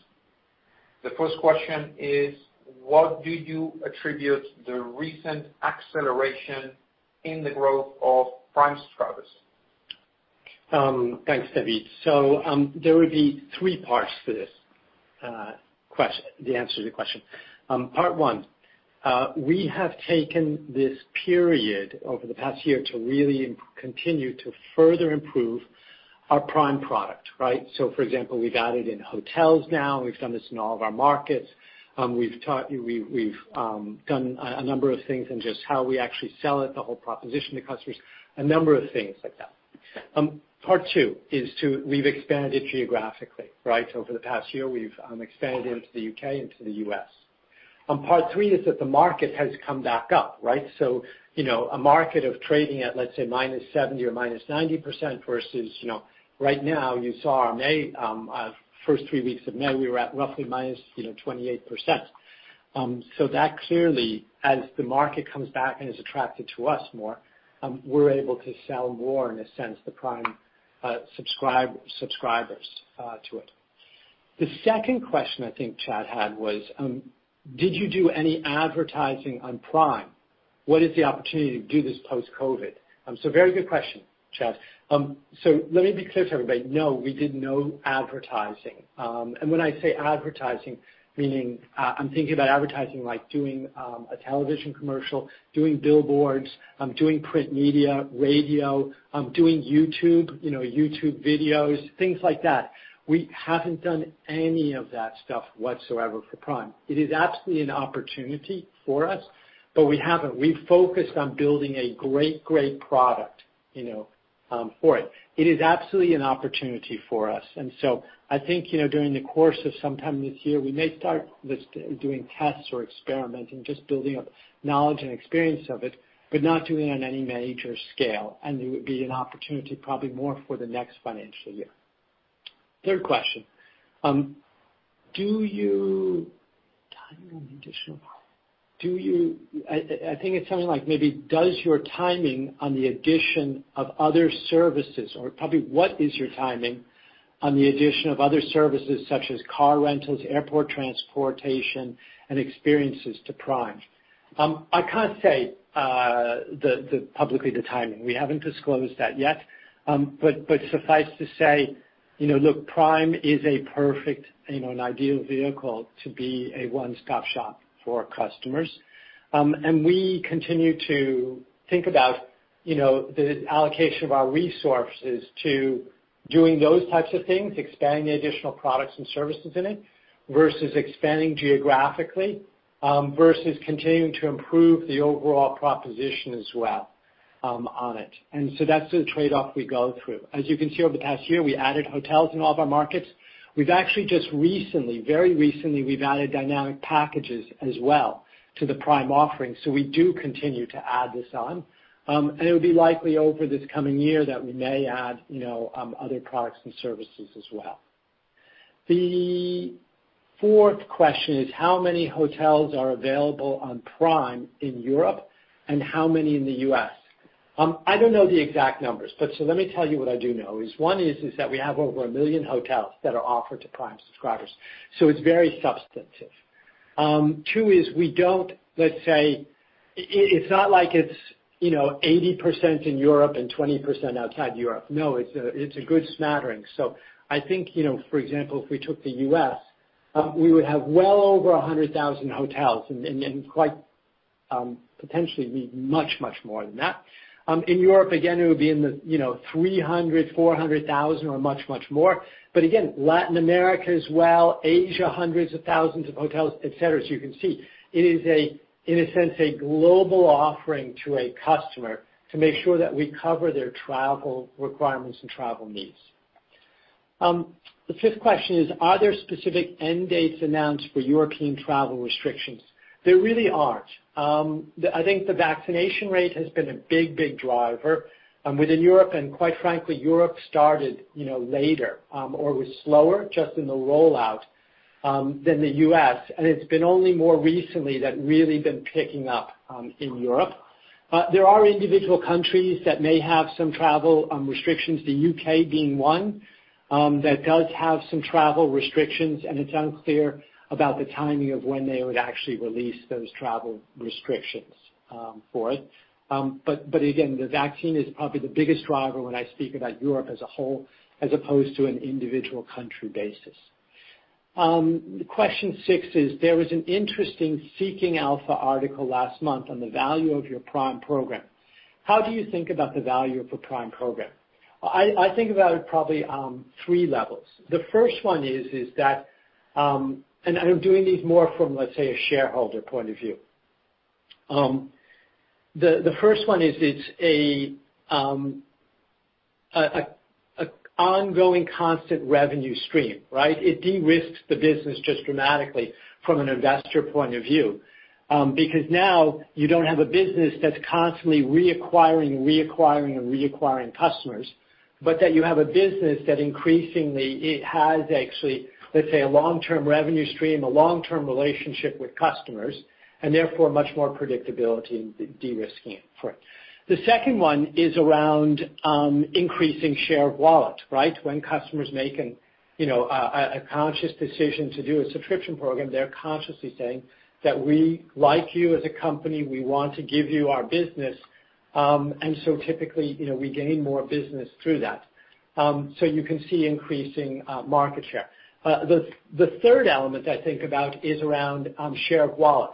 The first question is, "What do you attribute the recent acceleration in the growth of Prime subscribers? Thanks, David. There would be three parts to this question, the answer to the question. Part one, we have taken this period over the past year to really continue to further improve our Prime product, right? For example, we've added in hotels now. We've done this in all of our markets. We've done a number of things in just how we actually sell it, the whole proposition to customers, a number of things like that. Part two is we've expanded geographically, right? Over the past year, we've expanded into the U.K. and to the U.S. Part three is that the market has come back up, right? A market of trading at, let's say, -70% or -90% versus, right now, you saw our May, first three weeks of May, we were at roughly -28%. That clearly, as the market comes back and is attracted to us more, we're able to sell more, in a sense, the Prime subscribers to it. The second question I think Chadd had was, "Did you do any advertising on Prime? What is the opportunity to do this post-COVID?" Very good question, Chadd. Let me be clear to everybody, no. We did no advertising. When I say advertising, meaning I'm thinking about advertising like doing a television commercial, doing billboards, doing print media, radio, doing YouTube videos, things like that. We haven't done any of that stuff whatsoever for Prime. It is absolutely an opportunity for us, but we haven't. We've focused on building a great product for it. It is absolutely an opportunity for us. I think, during the course of sometime this year, we may start doing tests or experimenting, just building up knowledge and experience of it, but not doing it on any major scale. It would be an opportunity probably more for the next financial year. Third question. I think it's something like maybe, "Does your timing on the addition of other services?" Or probably, "What is your timing on the addition of other services such as car rentals, airport transportation, and experiences to Prime?" I can't say publicly the timing. We haven't disclosed that yet. Suffice to say, look, Prime is a perfect, an ideal vehicle to be a one-stop shop for customers. We continue to think about the allocation of our resources to doing those types of things, expanding the additional products and services in it, versus expanding geographically, versus continuing to improve the overall proposition as well on it. That's the trade-off we go through. As you can see, over the past year, we added hotels in all of our markets. We've actually just recently, very recently, we've added dynamic packages as well to the Prime offering. We do continue to add this on. It would be likely over this coming year that we may add other products and services as well. The fourth question is, "How many hotels are available on Prime in Europe, and how many in the U.S.?" I don't know the exact numbers. Let me tell you what I do know. One is that we have over 1 million hotels that are offered to Prime subscribers, so it's very substantive. Two is, we don't, let's say, it's not like it's 80% in Europe and 20% outside Europe. No, it's a good smattering. I think for example, if we took the U.S., we would have well over 100,000 hotels and quite potentially be much more than that. In Europe, again, it would be in the 300,000, 400,000 or much more. Again, Latin America as well, Asia, hundreds of thousands of hotels, et cetera. You can see it is, in a sense, a global offering to a customer to make sure that we cover their travel requirements and travel needs. The fifth question is, "Are there specific end dates announced for European travel restrictions?" There really aren't. I think the vaccination rate has been a big driver within Europe, and quite frankly, Europe started later or was slower just in the rollout than the U.S., and it's been only more recently that really been picking up in Europe. There are individual countries that may have some travel restrictions, the U.K. being one, that does have some travel restrictions, and it's unclear about the timing of when they would actually release those travel restrictions for it. Again, the vaccine is probably the biggest driver when I speak about Europe as a whole, as opposed to an individual country basis. Question six is, there was an interesting Seeking Alpha article last month on the value of your Prime program. How do you think about the value of a Prime program? I think about it probably three levels. The first one is and I'm doing these more from, let's say, a shareholder point of view. The first one is it's a ongoing constant revenue stream. It de-risks the business just dramatically from an investor point of view. Because now you don't have a business that's constantly reacquiring customers, but that you have a business that increasingly it has actually, let's say, a long-term revenue stream, a long-term relationship with customers, and therefore much more predictability and de-risking it for it. The second one is around increasing share of wallet. When customers make a conscious decision to do a subscription program, they're consciously saying that we like you as a company, we want to give you our business. Typically, we gain more business through that. You can see increasing market share. The third element I think about is around share of wallet.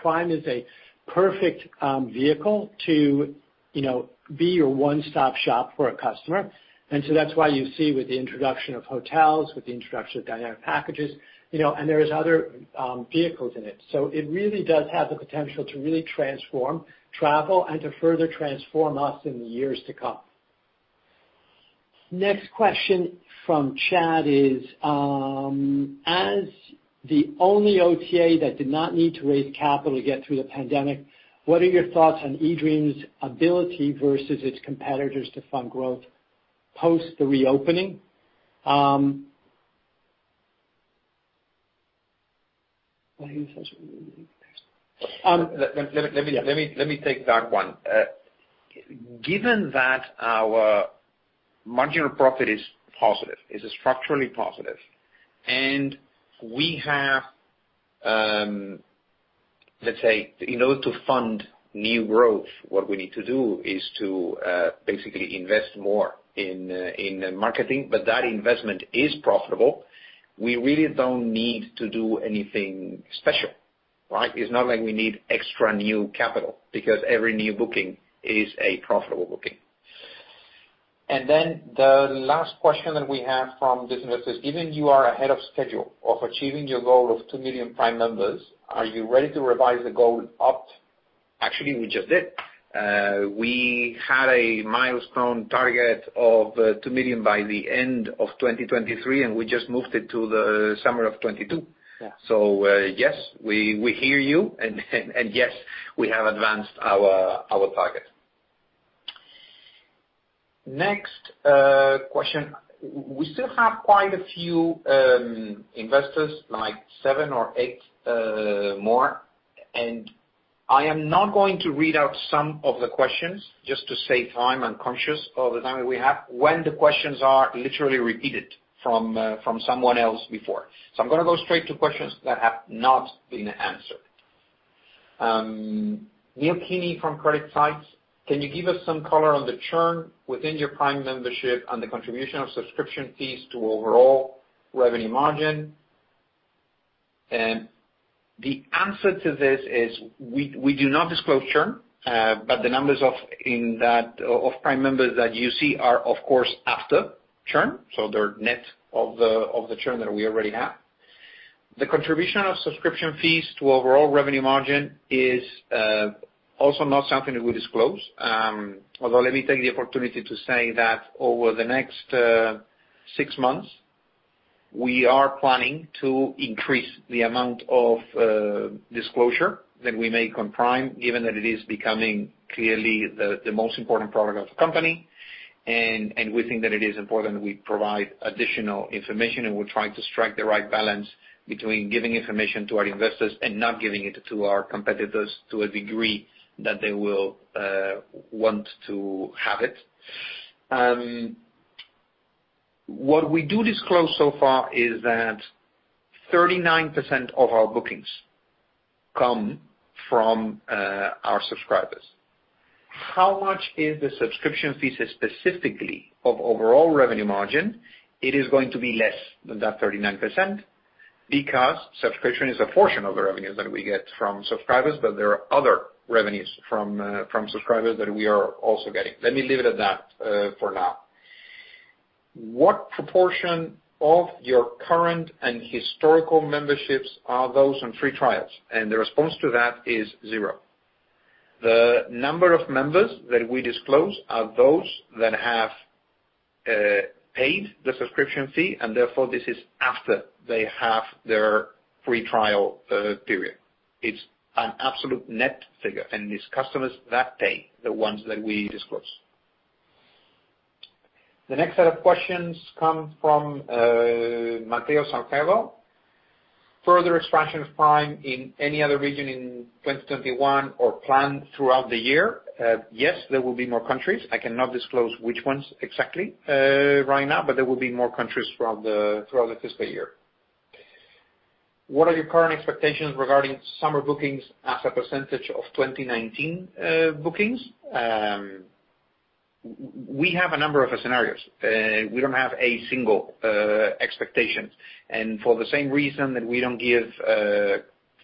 Prime is a perfect vehicle to be your one-stop shop for a customer. That's why you see with the introduction of hotels, with the introduction of dynamic packages, and there is other vehicles in it. It really does have the potential to really transform travel and to further transform us in the years to come. Next question from Chadd is, as the only OTA that did not need to raise capital to get through the pandemic, what are your thoughts on eDreams' ability versus its competitors to fund growth post the reopening? Let me take that one. Given that our marginal profit is positive, is structurally positive, and we have, let's say, in order to fund new growth, what we need to do is to basically invest more in marketing, but that investment is profitable. We really don't need to do anything special. It's not like we need extra new capital because every new booking is a profitable booking. The last question that we have from this investor is, given you are ahead of schedule of achieving your goal of 2 million Prime members, are you ready to revise the goal up? Actually, we just did. We had a milestone target of 2 million by the end of 2023, and we just moved it to the summer of 2022. Yeah. Yes, we hear you and, yes, we have advanced our target. Next question. We still have quite a few investors, like seven or eight more, and I am not going to read out some of the questions, just to save time. I'm conscious of the time that we have, when the questions are literally repeated from someone else before. I'm going to go straight to questions that have not been answered. Neil Kearney from CreditSights, can you give us some color on the churn within your Prime membership and the contribution of subscription fees to overall revenue margin? The answer to this is we do not disclose churn, but the numbers of Prime members that you see are, of course, after churn, so they're net of the churn that we already have. The contribution of subscription fees to overall revenue margin is also not something that we disclose. Let me take the opportunity to say that over the next six months, we are planning to increase the amount of disclosure that we make on Prime, given that it is becoming clearly the most important product of the company, and we think that it is important that we provide additional information, and we're trying to strike the right balance between giving information to our investors and not giving it to our competitors to a degree that they will want to have it. What we do disclose so far is that 39% of our bookings come from our subscribers. How much is the subscription fees specifically of overall revenue margin? It is going to be less than that 39% because subscription is a portion of the revenue that we get from subscribers, but there are other revenues from subscribers that we are also getting. Let me leave it at that for now. What proportion of your current and historical memberships are those on free trials? The response to that is zero. The number of members that we disclose are those that have paid the subscription fee, and therefore this is after they have their free trial period. It's an absolute net figure, and it's customers that pay the ones that we disclose. The next set of questions come from Mateo Saracho. Further expansion of Prime in any other region in 2021 or planned throughout the year? Yes, there will be more countries. I cannot disclose which ones exactly right now, but there will be more countries throughout the fiscal year. What are your current expectations regarding summer bookings as a percentage of 2019 bookings? We have a number of scenarios. We don't have a single expectation. For the same reason that we don't give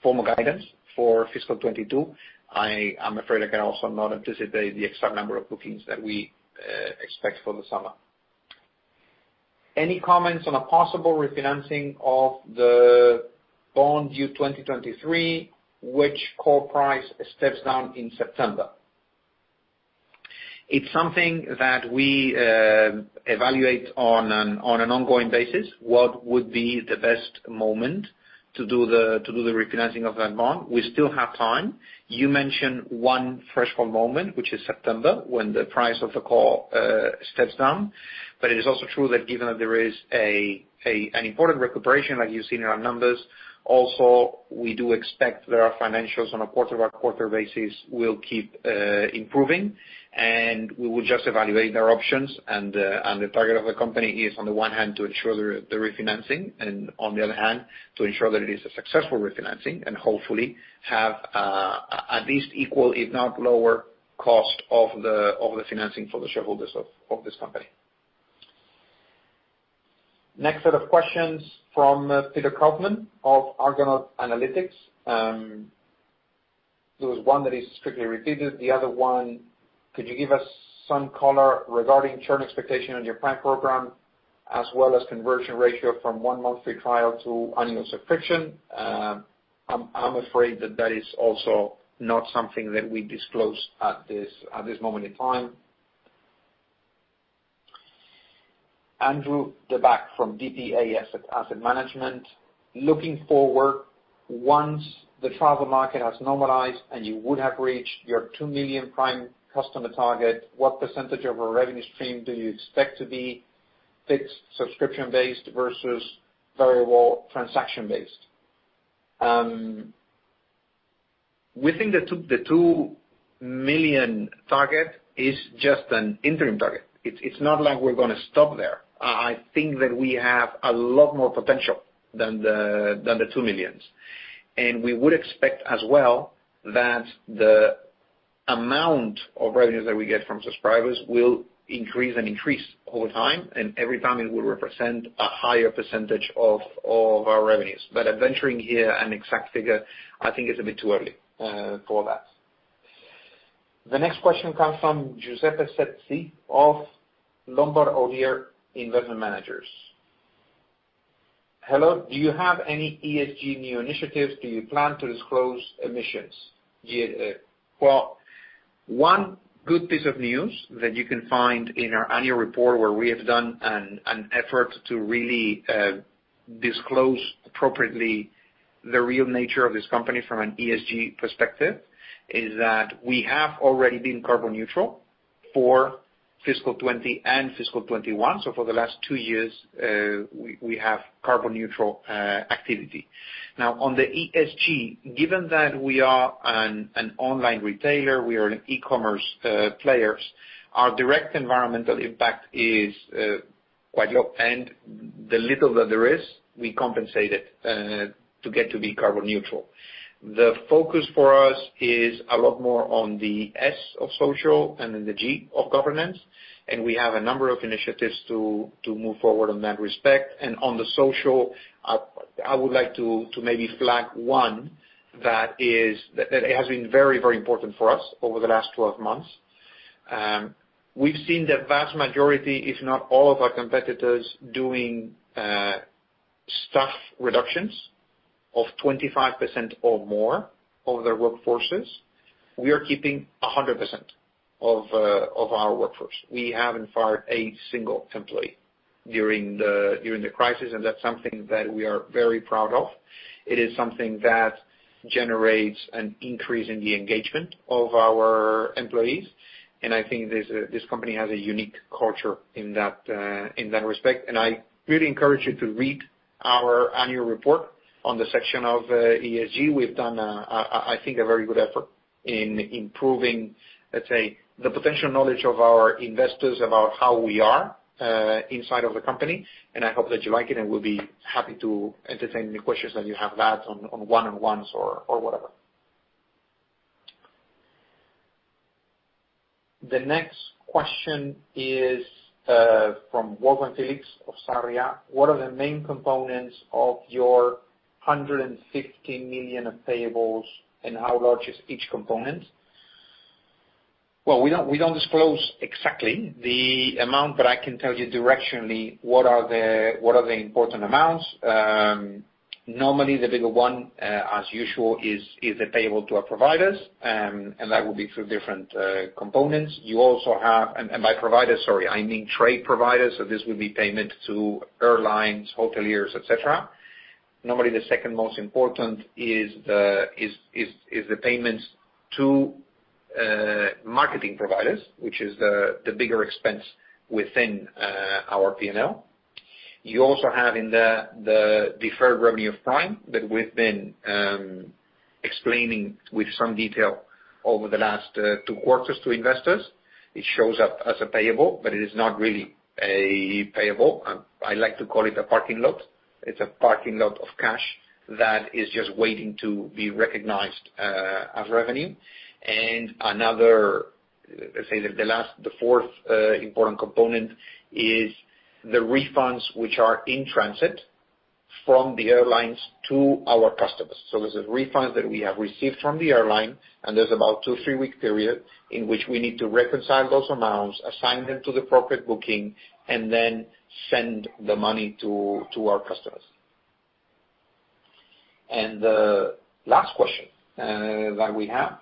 formal guidance for FY22, I'm afraid I can also not anticipate the exact number of bookings that we expect for the summer. Any comments on a possible refinancing of the bond due 2023, which call price steps down in September? It's something that we evaluate on an ongoing basis, what would be the best moment to do the refinancing of that bond. We still have time. You mentioned one threshold moment, which is September, when the price of the core steps down, but it is also true that given that there is an important recuperation, like you see in our numbers, also, we do expect that our financials on a quarter-by-quarter basis will keep improving, and we will just evaluate our options. The target of the company is, on the one hand, to ensure the refinancing, and on the other hand, to ensure that it is a successful refinancing. Hopefully, have at least equal, if not lower cost of the financing for the shareholders of this company. Next set of questions from Peter Coughlin of Argonaut Analytics. There was one that is strictly repeated. The other one, could you give us some color regarding churn expectation on your Prime program, as well as conversion ratio from one monthly trial to annual subscription? I'm afraid that that is also not something that we disclose at this moment in time. Andrew Deback from DPAM Asset Management. Looking forward, once the travel market has normalized and you would have reached your 2 million Prime customer target, what % of a revenue stream do you expect to be fixed subscription-based versus variable transaction-based? We think the 2 million target is just an interim target. It's not like we're going to stop there. I think that we have a lot more potential than the 2 millions. We would expect as well that the amount of revenue that we get from subscribers will increase and increase over time, and every time it will represent a higher % of our revenues. Adventuring here an exact figure, I think it's a bit too early for that. The next question comes from Giuseppe Sersale of Lombard Odier Investment Managers. Hello. Do you have any ESG new initiatives? Do you plan to disclose emissions? Well, one good piece of news that you can find in our annual report where we have done an effort to really disclose appropriately the real nature of this company from an ESG perspective, is that we have already been carbon neutral for fiscal 2020 and fiscal 2021. For the last two years, we have carbon neutral activity. Now, on the ESG, given that we are an online retailer, we are an e-commerce players, our direct environmental impact is quite low. The little that there is, we compensate it to get to be carbon neutral. The focus for us is a lot more on the S of social and the G of governance, and we have a number of initiatives to move forward in that respect. On the social, I would like to maybe flag one that has been very important for us over the last 12 months. We've seen the vast majority, if not all of our competitors, doing staff reductions of 25% or more of their workforces. We are keeping 100% of our workforce. We haven't fired a single employee during the crisis, and that's something that we are very proud of. It is something that generates an increase in the engagement of our employees. I really encourage you to read our annual report on the section of ESG. We've done, I think, a very good effort in improving, let's say, the potential knowledge of our investors about how we are inside of the company, and I hope that you like it, and we'll be happy to entertain any questions that you have that on one-on-ones or whatever. The next question is from Juan Félix-Sarria of Sarria. What are the main components of your 150 million of payables, and how large is each component? Well, we don't disclose exactly the amount, but I can tell you directionally what are the important amounts. Normally, the bigger one, as usual, is the payable to our providers, and that will be for different components. By providers, sorry, I mean trade providers. This will be payment to airlines, hoteliers, et cetera. Normally, the second most important is the payments to marketing providers, which is the bigger expense within our P&L. You also have in there the deferred revenue of Prime that we've been explaining with some detail over the last two quarters to investors. It is not really a payable. I like to call it a parking lot. It's a parking lot of cash that is just waiting to be recognized as revenue. Another, let's say the fourth important component is the refunds which are in transit from the airlines to our customers. There's a refund that we have received from the airline, there's about two, three week period in which we need to reconcile those amounts, assign them to the appropriate booking, then send the money to our customers. The last question that we have.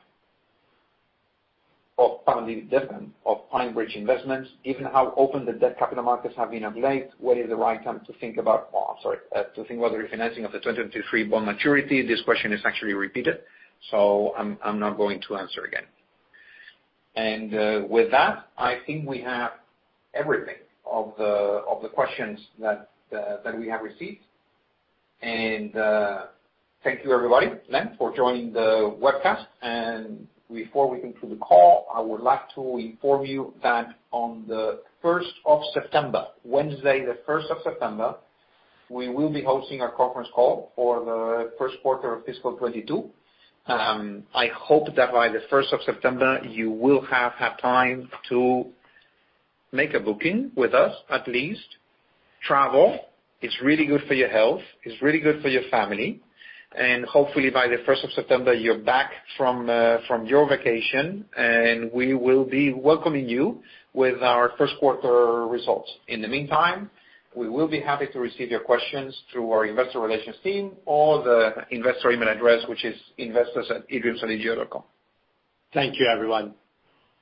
Of PineBridge Investments. Given how open the debt capital markets have been of late, when is the right time to think about refinancing of the 2023 bond maturity? This question is actually repeated, I'm not going to answer again. With that, I think we have everything of the questions that we have received. Thank you everybody, again, for joining the webcast. Before we conclude the call, I would like to inform you that on the 1st of September, Wednesday the 1st of September, we will be hosting a conference call for the first quarter of fiscal 2022. I hope that by the 1st of September you will have had time to make a booking with us at least. Travel is really good for your health, it's really good for your family. Hopefully by the 1st of September, you're back from your vacation, and we will be welcoming you with our first quarter results. In the meantime, we will be happy to receive your questions through our investor relations team or the investor email address, which is investors@edreamsodigeo.com. Thank you, everyone.